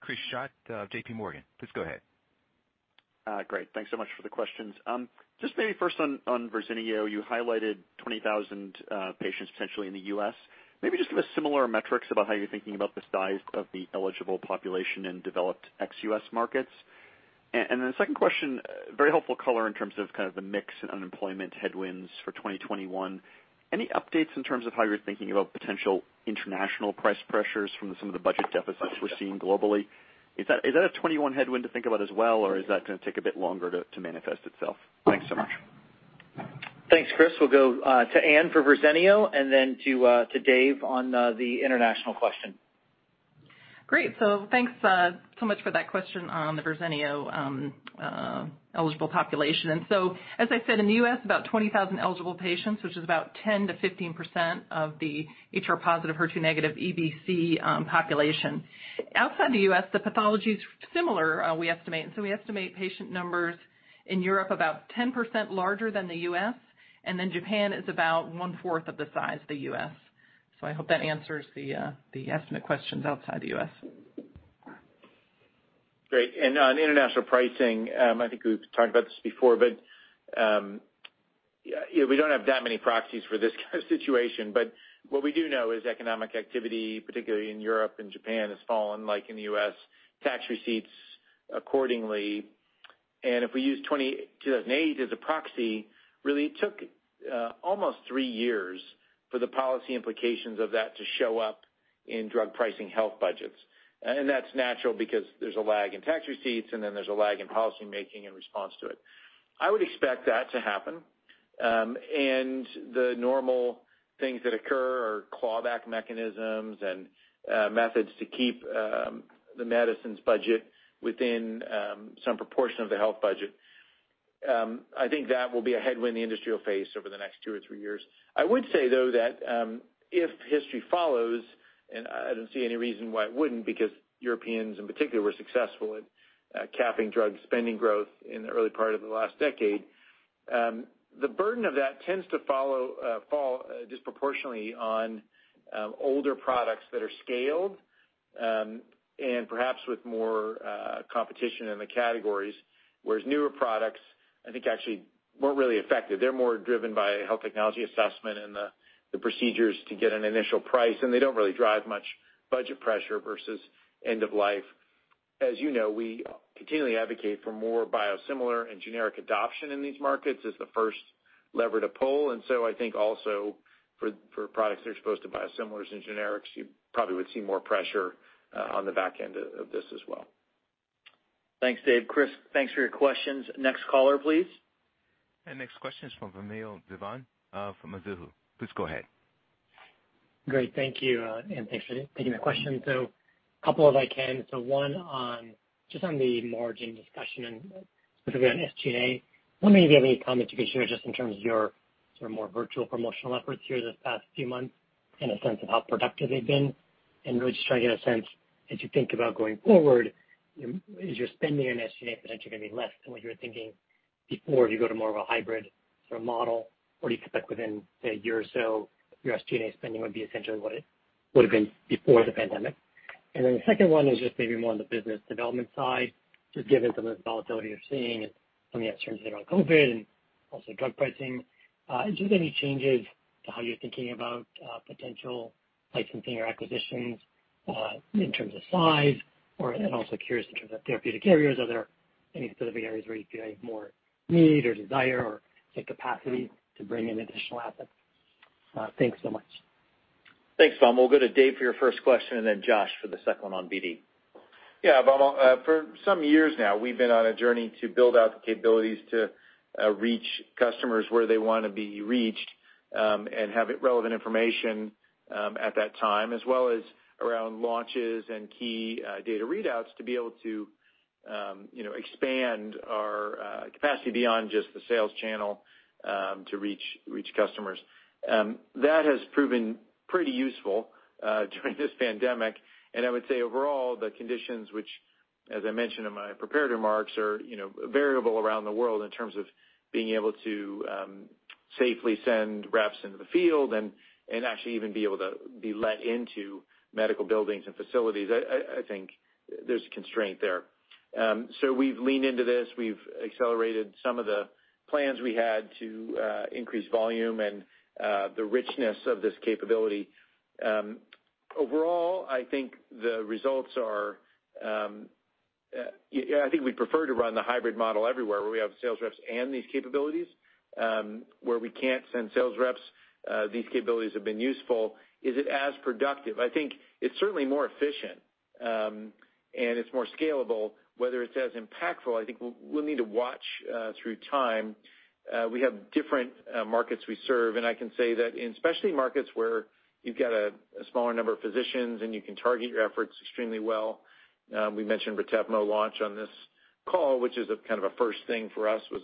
Chris Schott, J.P. Morgan. Please go ahead. Great. Thanks so much for the questions. Just maybe first on Verzenio, you highlighted 20,000 patients potentially in the U.S. Maybe just give us similar metrics about how you're thinking about the size of the eligible population in developed ex-U.S. markets. Then the second question, very helpful color in terms of kind of the mix in unemployment headwinds for 2021. Any updates in terms of how you're thinking about potential international price pressures from some of the budget deficits we're seeing globally? Is that a 2021 headwind to think about as well, or is that going to take a bit longer to manifest itself? Thanks so much. Thanks Chris. We'll go to Anne for Verzenio and then to Dave on the international question. Great. Thanks so much for that question on the Verzenio eligible population. As I said, in the U.S., about 20,000 eligible patients, which is about 10%-15% of the HR-positive, HER2-negative EBC population. Outside the U.S., the pathology is similar, we estimate. We estimate patient numbers In Europe, about 10% larger than the U.S. Japan is about 1/4 of the size of the U.S. I hope that answers the estimate questions outside the U.S. Great. On international pricing, I think we've talked about this before, but we don't have that many proxies for this kind of situation. What we do know is economic activity, particularly in Europe and Japan, has fallen like in the U.S., tax receipts accordingly. If we use 2008 as a proxy, really, it took almost three years for the policy implications of that to show up in drug pricing health budgets. That's natural because there's a lag in tax receipts, and then there's a lag in policymaking in response to it. I would expect that to happen. The normal things that occur are clawback mechanisms and methods to keep the medicines budget within some proportion of the health budget. I think that will be a headwind the industry will face over the next two or three years. I would say, though, that, if history follows, and I don't see any reason why it wouldn't, because Europeans in particular were successful at capping drug spending growth in the early part of the last decade. The burden of that tends to fall disproportionately on older products that are scaled, and perhaps with more competition in the categories, whereas newer products, I think, actually weren't really affected. They're more driven by health technology assessment and the procedures to get an initial price, and they don't really drive much budget pressure versus end of life. As you know, we continually advocate for more biosimilar and generic adoption in these markets as the first lever to pull. I think also for products that are exposed to biosimilars and generics, you probably would see more pressure on the back end of this as well. Thanks Dave. Chris, thanks for your questions. Next caller, please. Next question is from Vamil Divan from Mizuho. Please go ahead. Great. Thank you, and thanks for taking the question. A couple if I can. One on just on the margin discussion and specifically on SG&A, wondering if you have any comments you could share just in terms of your sort of more virtual promotional efforts here this past few months and a sense of how productive they've been? Really just trying to get a sense, as you think about going forward, is your spending on SG&A potentially going to be less than what you were thinking before as you go to more of a hybrid sort of model? Or do you expect within, say, a year or so, your SG&A spending would be essentially what it would've been before the pandemic? The second one is just maybe more on the business development side, just given some of the volatility you're seeing and some of the uncertainty around COVID and also drug pricing, just any changes to how you're thinking about potential licensing or acquisitions, in terms of size or, and also curious in terms of therapeutic areas, are there any specific areas where you feel you have more need or desire or capacity to bring in additional assets? Thanks so much. Thanks Vamil. We'll go to Dave for your first question and then Josh for the second one on BD. Yeah, Vamil. For some years now, we've been on a journey to build out the capabilities to reach customers where they want to be reached, and have relevant information at that time, as well as around launches and key data readouts to be able to expand our capacity beyond just the sales channel to reach customers. That has proven pretty useful during this pandemic. I would say overall, the conditions which, as I mentioned in my prepared remarks, are variable around the world in terms of being able to safely send reps into the field and actually even be able to be let into medical buildings and facilities. I think there's a constraint there. We've leaned into this. We've accelerated some of the plans we had to increase volume and the richness of this capability. Overall, I think we prefer to run the hybrid model everywhere where we have sales reps and these capabilities. Where we can't send sales reps, these capabilities have been useful. Is it as productive? I think it's certainly more efficient, and it's more scalable. Whether it's as impactful, I think we'll need to watch through time. We have different markets we serve. I can say that in specialty markets where you've got a smaller number of physicians and you can target your efforts extremely well, we mentioned Retevmo launch on this call, which is a kind of a first thing for us, was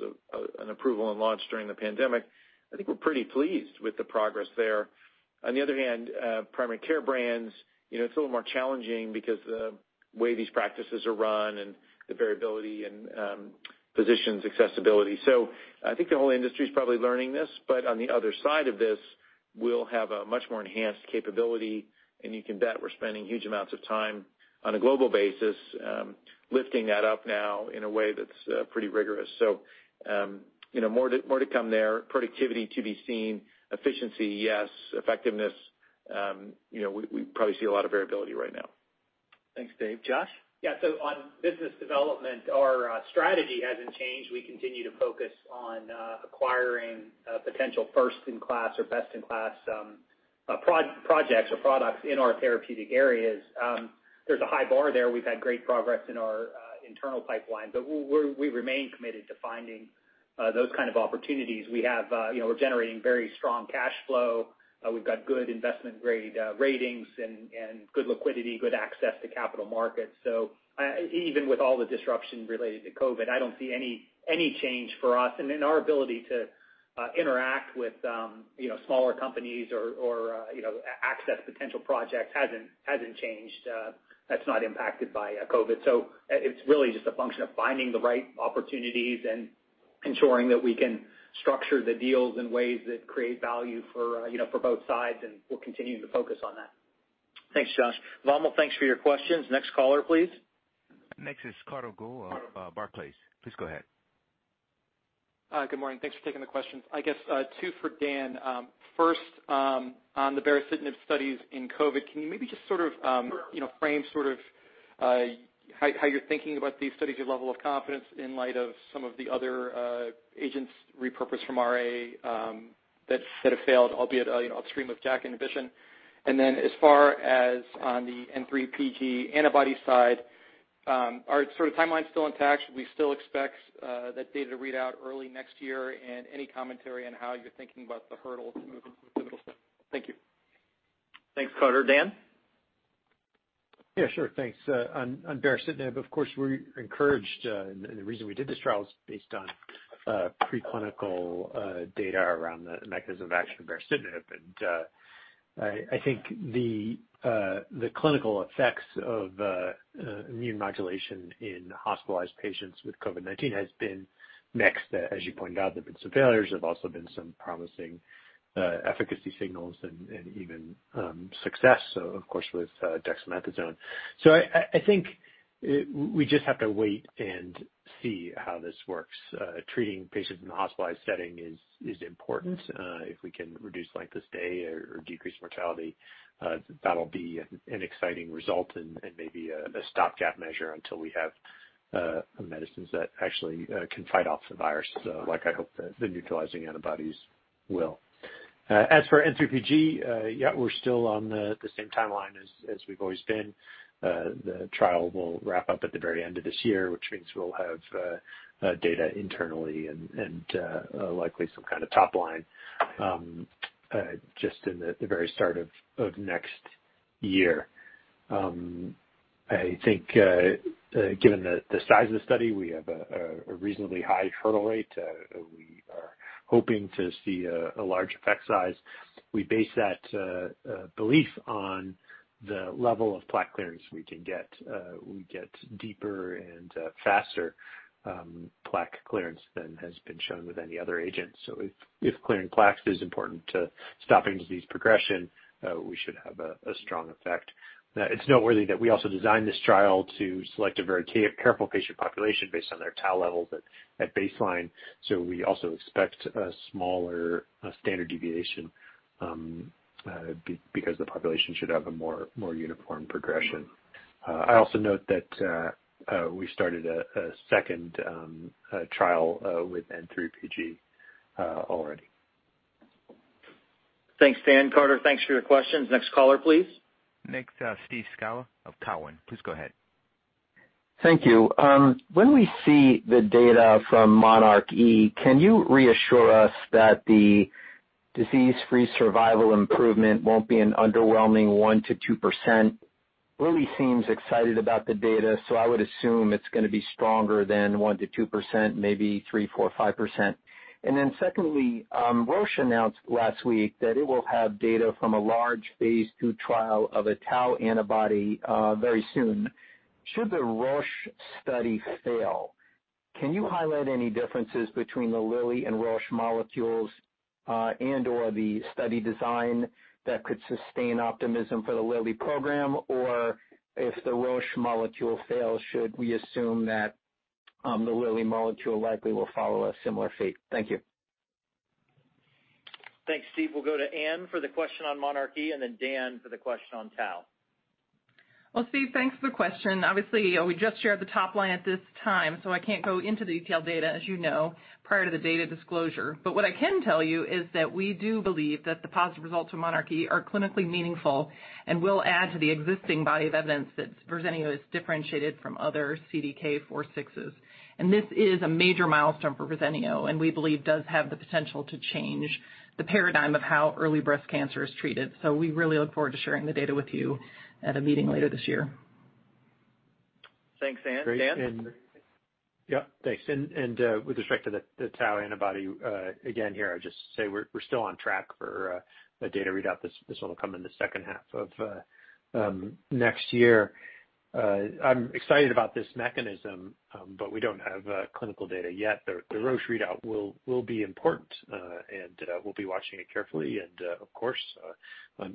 an approval and launch during the pandemic. I think we're pretty pleased with the progress there. On the other hand, primary care brands, it's a little more challenging because the way these practices are run and the variability and physicians' accessibility. I think the whole industry's probably learning this, but on the other side of this, we'll have a much more enhanced capability, and you can bet we're spending huge amounts of time on a global basis, lifting that up now in a way that's pretty rigorous. More to come there. Productivity to be seen. Efficiency, yes. Effectiveness, we probably see a lot of variability right now. Thanks Dave. Josh? Yeah. On business development, our strategy hasn't changed. We continue to focus on acquiring potential first-in-class or best-in-class projects or products in our therapeutic areas. There's a high bar there. We've had great progress in our internal pipeline, but we remain committed to finding those kind of opportunities. We're generating very strong cash flow. We've got good investment ratings and good liquidity, good access to capital markets. Even with all the disruption related to COVID, I don't see any change for us and in our ability to. Interact with smaller companies or access potential projects hasn't changed. That's not impacted by COVID. It's really just a function of finding the right opportunities and ensuring that we can structure the deals in ways that create value for both sides, and we're continuing to focus on that. Thanks Josh. Vamil, thanks for your questions. Next caller, please. Next is Carter Gould of Barclays. Please go ahead. Good morning. Thanks for taking the questions. I guess two for Dan. First, on the baricitinib studies in COVID, can you maybe just frame how you're thinking about these studies, your level of confidence in light of some of the other agents repurposed from RA that have failed, albeit upstream of JAK inhibition? Then as far as on the N3pG antibody side, are timelines still intact? Should we still expect that data to read out early next year? Any commentary on how you're thinking about the hurdle to moving to the middle step. Thank you. Thanks Carter. Dan? Yeah, sure. Thanks. On baricitinib, of course, we're encouraged. The reason we did this trial is based on preclinical data around the mechanism of action of baricitinib. I think the clinical effects of immune modulation in hospitalized patients with COVID-19 has been mixed. As you pointed out, there've been some failures. There've also been some promising efficacy signals and even success, of course, with dexamethasone. I think we just have to wait and see how this works. Treating patients in the hospitalized setting is important. If we can reduce length of stay or decrease mortality, that'll be an exciting result and maybe a stopgap measure until we have medicines that actually can fight off the virus, like I hope the neutralizing antibodies will. As for N3pG, yeah, we're still on the same timeline as we've always been. The trial will wrap up at the very end of this year, which means we'll have data internally and likely some kind of top line just in the very start of next year. I think given the size of the study, we have a reasonably high hurdle rate. We are hoping to see a large effect size. We base that belief on the level of plaque clearance we can get. We get deeper and faster plaque clearance than has been shown with any other agent. If clearing plaques is important to stopping disease progression, we should have a strong effect. It's noteworthy that we also designed this trial to select a very careful patient population based on their tau levels at baseline. We also expect a smaller standard deviation because the population should have a more uniform progression. I also note that we started a second trial with N3pG already. Thanks Dan. Carter, thanks for your questions. Next caller, please. Next, Steve Scala of Cowen. Please go ahead. Thank you. When we see the data from monarchE, can you reassure us that the disease-free survival improvement won't be an underwhelming 1%-2%? Lilly seems excited about the data, so I would assume it's going to be stronger than 1%-2%, maybe 3%, 4%, 5%. Secondly, Roche announced last week that it will have data from a large phase II trial of a tau antibody very soon. Should the Roche study fail, can you highlight any differences between the Lilly and Roche molecules and/or the study design that could sustain optimism for the Lilly program? If the Roche molecule fails, should we assume that the Lilly molecule likely will follow a similar fate? Thank you. Thanks Steve. We'll go to Anne for the question on monarchE and then Dan for the question on tau. Well, Steve, thanks for the question. Obviously, we just shared the top line at this time, so I can't go into the detailed data, as you know, prior to the data disclosure. What I can tell you is that we do believe that the positive results from monarchE are clinically meaningful and will add to the existing body of evidence that Verzenio is differentiated from other CDK4/6s. This is a major milestone for Verzenio, and we believe does have the potential to change the paradigm of how early breast cancer is treated. We really look forward to sharing the data with you at a meeting later this year. Thanks Anne. Dan? Yeah, thanks. With respect to the tau antibody, again here, I'd just say we're still on track for a data readout. This will come in the second half of next year. I'm excited about this mechanism, but we don't have clinical data yet. The Roche readout will be important, and we'll be watching it carefully. Of course,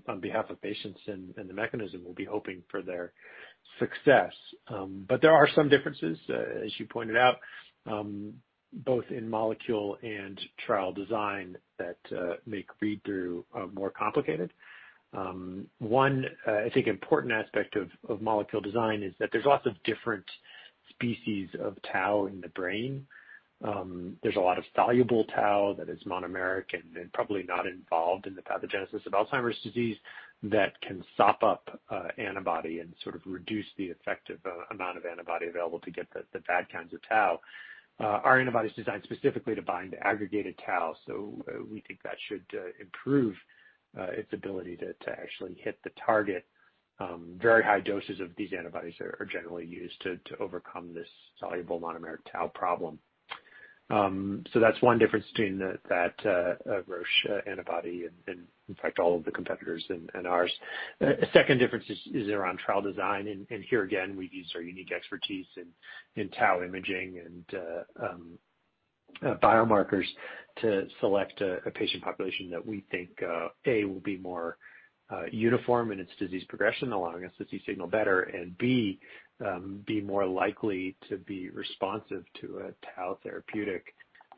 on behalf of patients and the mechanism, we'll be hoping for their success. There are some differences, as you pointed out, both in molecule and trial design that make read-through more complicated. One, I think, important aspect of molecule design is that there's lots of different species of tau in the brain. There's a lot of soluble tau that is monomeric and probably not involved in the pathogenesis of Alzheimer's disease that can sop up antibody and sort of reduce the effective amount of antibody available to get the bad kinds of tau. Our antibody is designed specifically to bind aggregated tau, so we think that should improve its ability to actually hit the target. Very high doses of these antibodies are generally used to overcome this soluble monomer tau problem. That's one difference between that Roche antibody and in fact, all of the competitors and ours. A second difference is around trial design, and here again, we've used our unique expertise in tau imaging and biomarkers to select a patient population that we think, A, will be more uniform in its disease progression, allowing us to see signal better, and B, be more likely to be responsive to a tau therapeutic.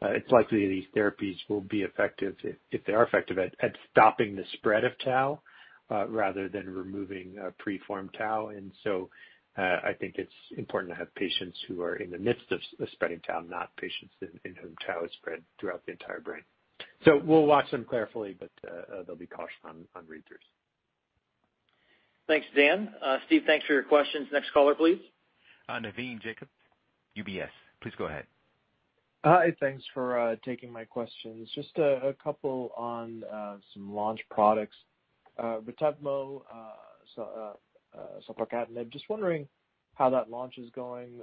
It's likely these therapies will be effective, if they are effective, at stopping the spread of tau, rather than removing pre-formed tau. I think it's important to have patients who are in the midst of spreading tau, not patients in whom tau has spread throughout the entire brain. We'll watch them carefully, but they'll be cautioned on readers. Thanks Dan. Steve, thanks for your questions. Next caller, please. Navin Jacob, UBS. Please go ahead. Hi. Thanks for taking my questions. Just a couple on some launch products. Retevmo, selpercatinib. Just wondering how that launch is going.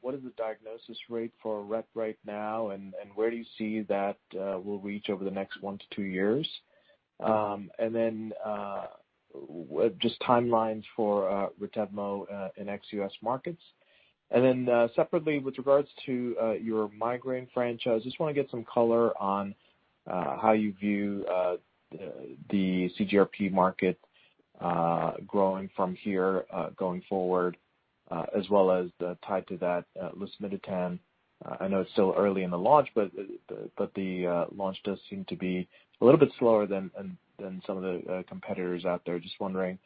What is the diagnosis rate for RET right now, and where do you see that will reach over the next one to two years? Just timelines for Retevmo in ex-U.S. markets. Separately, with regards to your migraine franchise, just want to get some color on how you view the CGRP market growing from here going forward, as well as the tie to that, Lasmiditan. I know it's still early in the launch, but the launch does seem to be a little bit slower than some of the competitors out there. Just wondering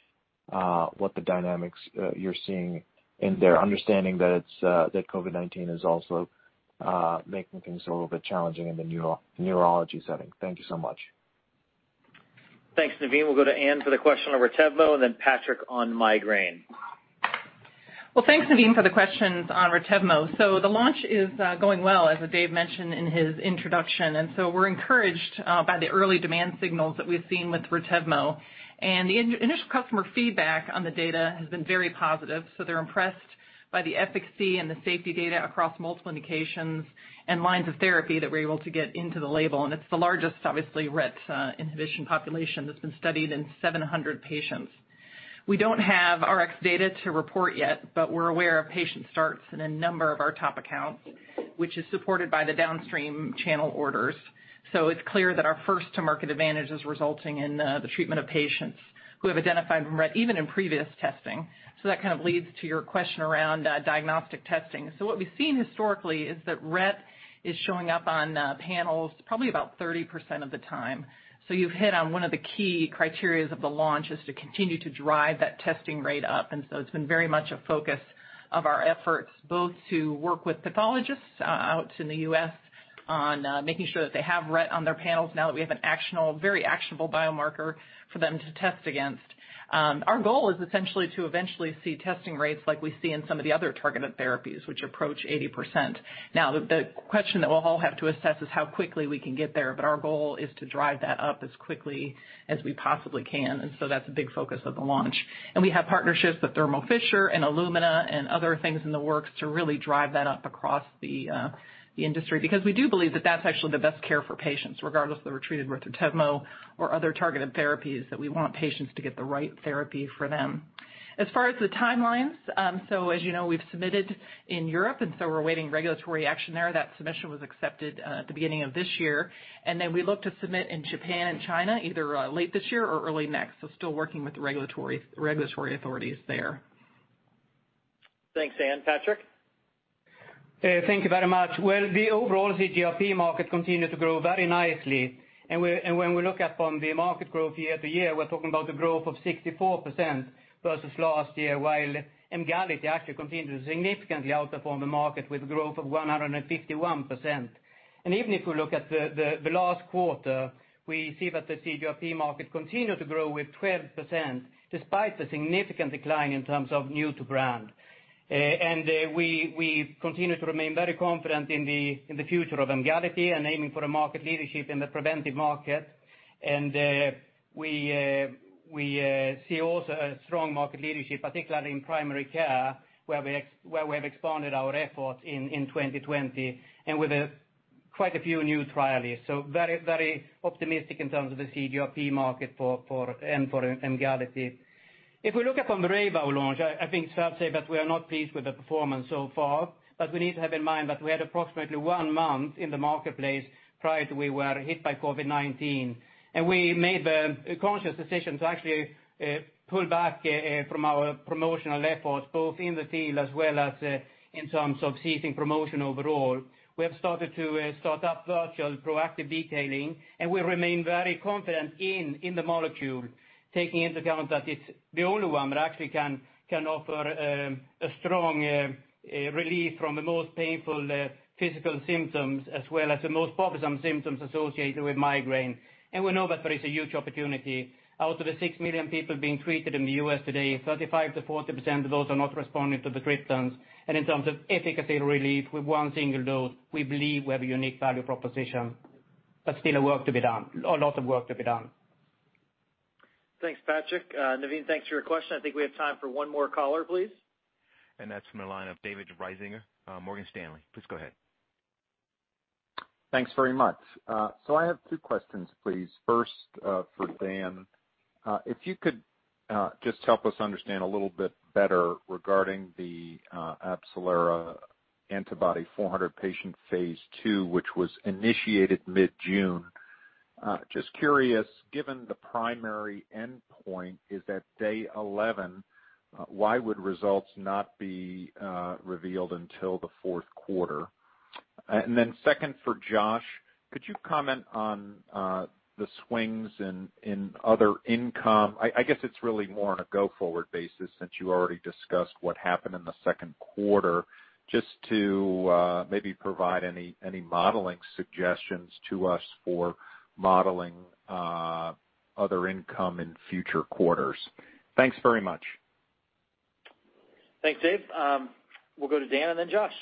what the dynamics you're seeing in there, understanding that COVID-19 is also making things a little bit challenging in the neurology setting. Thank you so much. Thanks Navin. We'll go to Anne for the question on Retevmo, and then Patrik on migraine. Well, thanks Navin, for the questions on Retevmo. The launch is going well, as Dave mentioned in his introduction. We're encouraged by the early demand signals that we've seen with RETEVMO. The initial customer feedback on the data has been very positive. They're impressed by the efficacy and the safety data across multiple indications and lines of therapy that we're able to get into the label. It's the largest, obviously, RET inhibition population that's been studied in 700 patients. We don't have Rx data to report yet, but we're aware of patient starts in a number of our top accounts, which is supported by the downstream channel orders. It's clear that our first-to-market advantage is resulting in the treatment of patients who have identified RET even in previous testing. That kind of leads to your question around diagnostic testing. What we've seen historically is that RET is showing up on panels probably about 30% of the time. You've hit on one of the key criteria of the launch is to continue to drive that testing rate up. It's been very much a focus of our efforts, both to work with pathologists out in the U.S. on making sure that they have RET on their panels now that we have a very actionable biomarker for them to test against. Our goal is essentially to eventually see testing rates like we see in some of the other targeted therapies, which approach 80%. The question that we'll all have to assess is how quickly we can get there, but our goal is to drive that up as quickly as we possibly can. That's a big focus of the launch. We have partnerships with Thermo Fisher and Illumina and other things in the works to really drive that up across the industry, because we do believe that that's actually the best care for patients, regardless if they're treated with Retevmo or other targeted therapies, that we want patients to get the right therapy for them. As far as the timelines, as you know, we've submitted in Europe, we're awaiting regulatory action there. That submission was accepted at the beginning of this year. We look to submit in Japan and China either late this year or early next. Still working with the regulatory authorities there. Thanks Anne. Patrik? Thank you very much. Well, the overall CGRP market continued to grow very nicely. When we look upon the market growth year to year, we're talking about the growth of 64% versus last year, while Emgality actually continued to significantly outperform the market with a growth of 151%. Even if we look at the last quarter, we see that the CGRP market continued to grow with 12%, despite the significant decline in terms of new to brand. We continue to remain very confident in the future of Emgality and aiming for a market leadership in the preventive market. We see also a strong market leadership, particularly in primary care, where we have expanded our efforts in 2020 and with quite a few new trialists. So very optimistic in terms of the CGRP market and for Emgality. If we look upon Reyvow launch, I think it's fair to say that we are not pleased with the performance so far. We need to have in mind that we had approximately one month in the marketplace prior to we were hit by COVID-19. We made the conscious decision to actually pull back from our promotional efforts, both in the field as well as in terms of teasing promotion overall. We have started to start up virtual proactive detailing. We remain very confident in the molecule, taking into account that it's the only one that actually can offer a strong relief from the most painful physical symptoms as well as the most bothersome symptoms associated with migraine. We know that there is a huge opportunity. Out of the 6 million people being treated in the U.S. today, 35% to 40% of those are not responding to the triptans. In terms of efficacy relief with one single dose, we believe we have a unique value proposition. Still a lot of work to be done. Thanks Patrik. Navin, thanks for your question. I think we have time for one more caller, please. That's from the line of David Risinger of Morgan Stanley. Please go ahead. Thanks very much. I have two questions, please. First, for Dan, if you could just help us understand a little bit better regarding the AbCellera antibody 400-patient phase II, which was initiated mid-June. Just curious, given the primary endpoint is at day 11, why would results not be revealed until the fourth quarter? Second for Josh, could you comment on the swings in other income? I guess it's really more on a go-forward basis, since you already discussed what happened in the second quarter, just to maybe provide any modeling suggestions to us for modeling other income in future quarters. Thanks very much. Thanks Dave. We'll go to Dan and then Josh.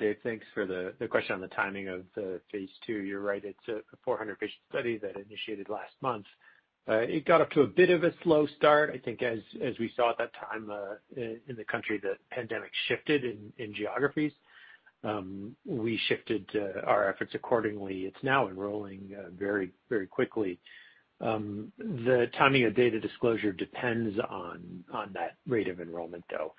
Dave, thanks for the question on the timing of the phase II. You're right, it's a 400-patient study that initiated last month. It got off to a bit of a slow start. I think as we saw at that time in the country, the pandemic shifted in geographies. We shifted our efforts accordingly. It's now enrolling very quickly. The timing of data disclosure depends on that rate of enrollment, though.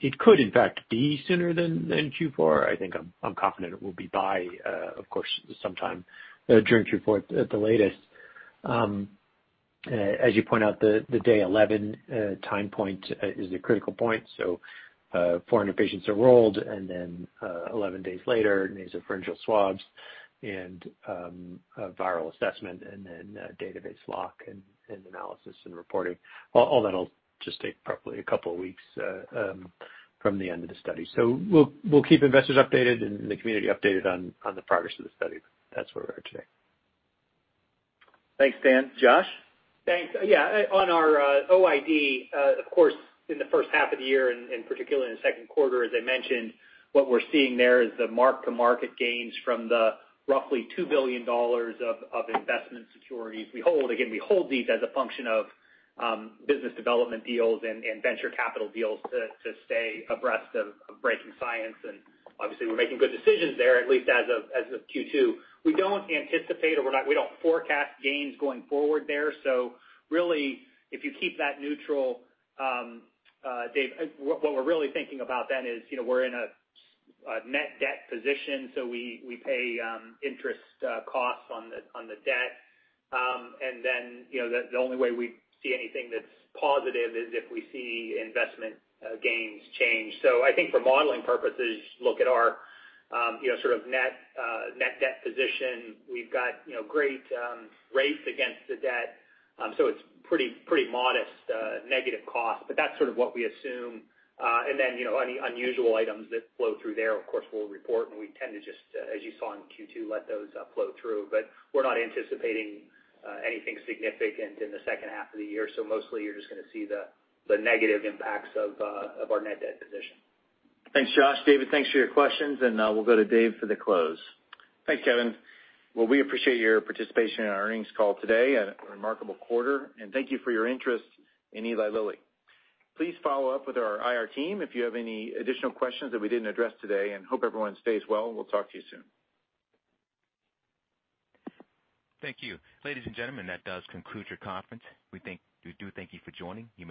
It could in fact be sooner than Q4. I think I'm confident it will be by, of course, sometime during Q4 at the latest. As you point out, the day 11 time point is a critical point. 400 patients enrolled, and then 11 days later, nasopharyngeal swabs and a viral assessment, and then database lock and analysis and reporting. All that'll just take probably a couple of weeks from the end of the study. We'll keep investors updated and the community updated on the progress of the study. That's where we are today. Thanks Dan. Josh? Thanks. Yeah, on our OID, of course, in the first half of the year, and particularly in the second quarter, as I mentioned, what we're seeing there is the mark-to-market gains from the roughly $2 billion of investment securities we hold. Again, we hold these as a function of business development deals and venture capital deals to stay abreast of breaking science, and obviously, we're making good decisions there, at least as of Q2. We don't anticipate or we don't forecast gains going forward there. Really, if you keep that neutral, Dave, what we're really thinking about then is we're in a net debt position, so we pay interest costs on the debt. The only way we see anything that's positive is if we see investment gains change. I think for modeling purposes, look at our sort of net debt position. We've got great rates against the debt. It's pretty modest negative cost, but that's sort of what we assume. Any unusual items that flow through there, of course, we'll report, and we tend to just, as you saw in Q2, let those flow through. We're not anticipating anything significant in the second half of the year, so mostly you're just going to see the negative impacts of our net debt position. Thanks Josh. David, thanks for your questions. We'll go to Dave for the close. Thanks Kevin. Well, we appreciate your participation in our earnings call today and a remarkable quarter, and thank you for your interest in Eli Lilly. Please follow up with our IR team if you have any additional questions that we didn't address today, and hope everyone stays well, and we'll talk to you soon. Thank you. Ladies and gentlemen, that does conclude your conference. We do thank you for joining. You may disconnect.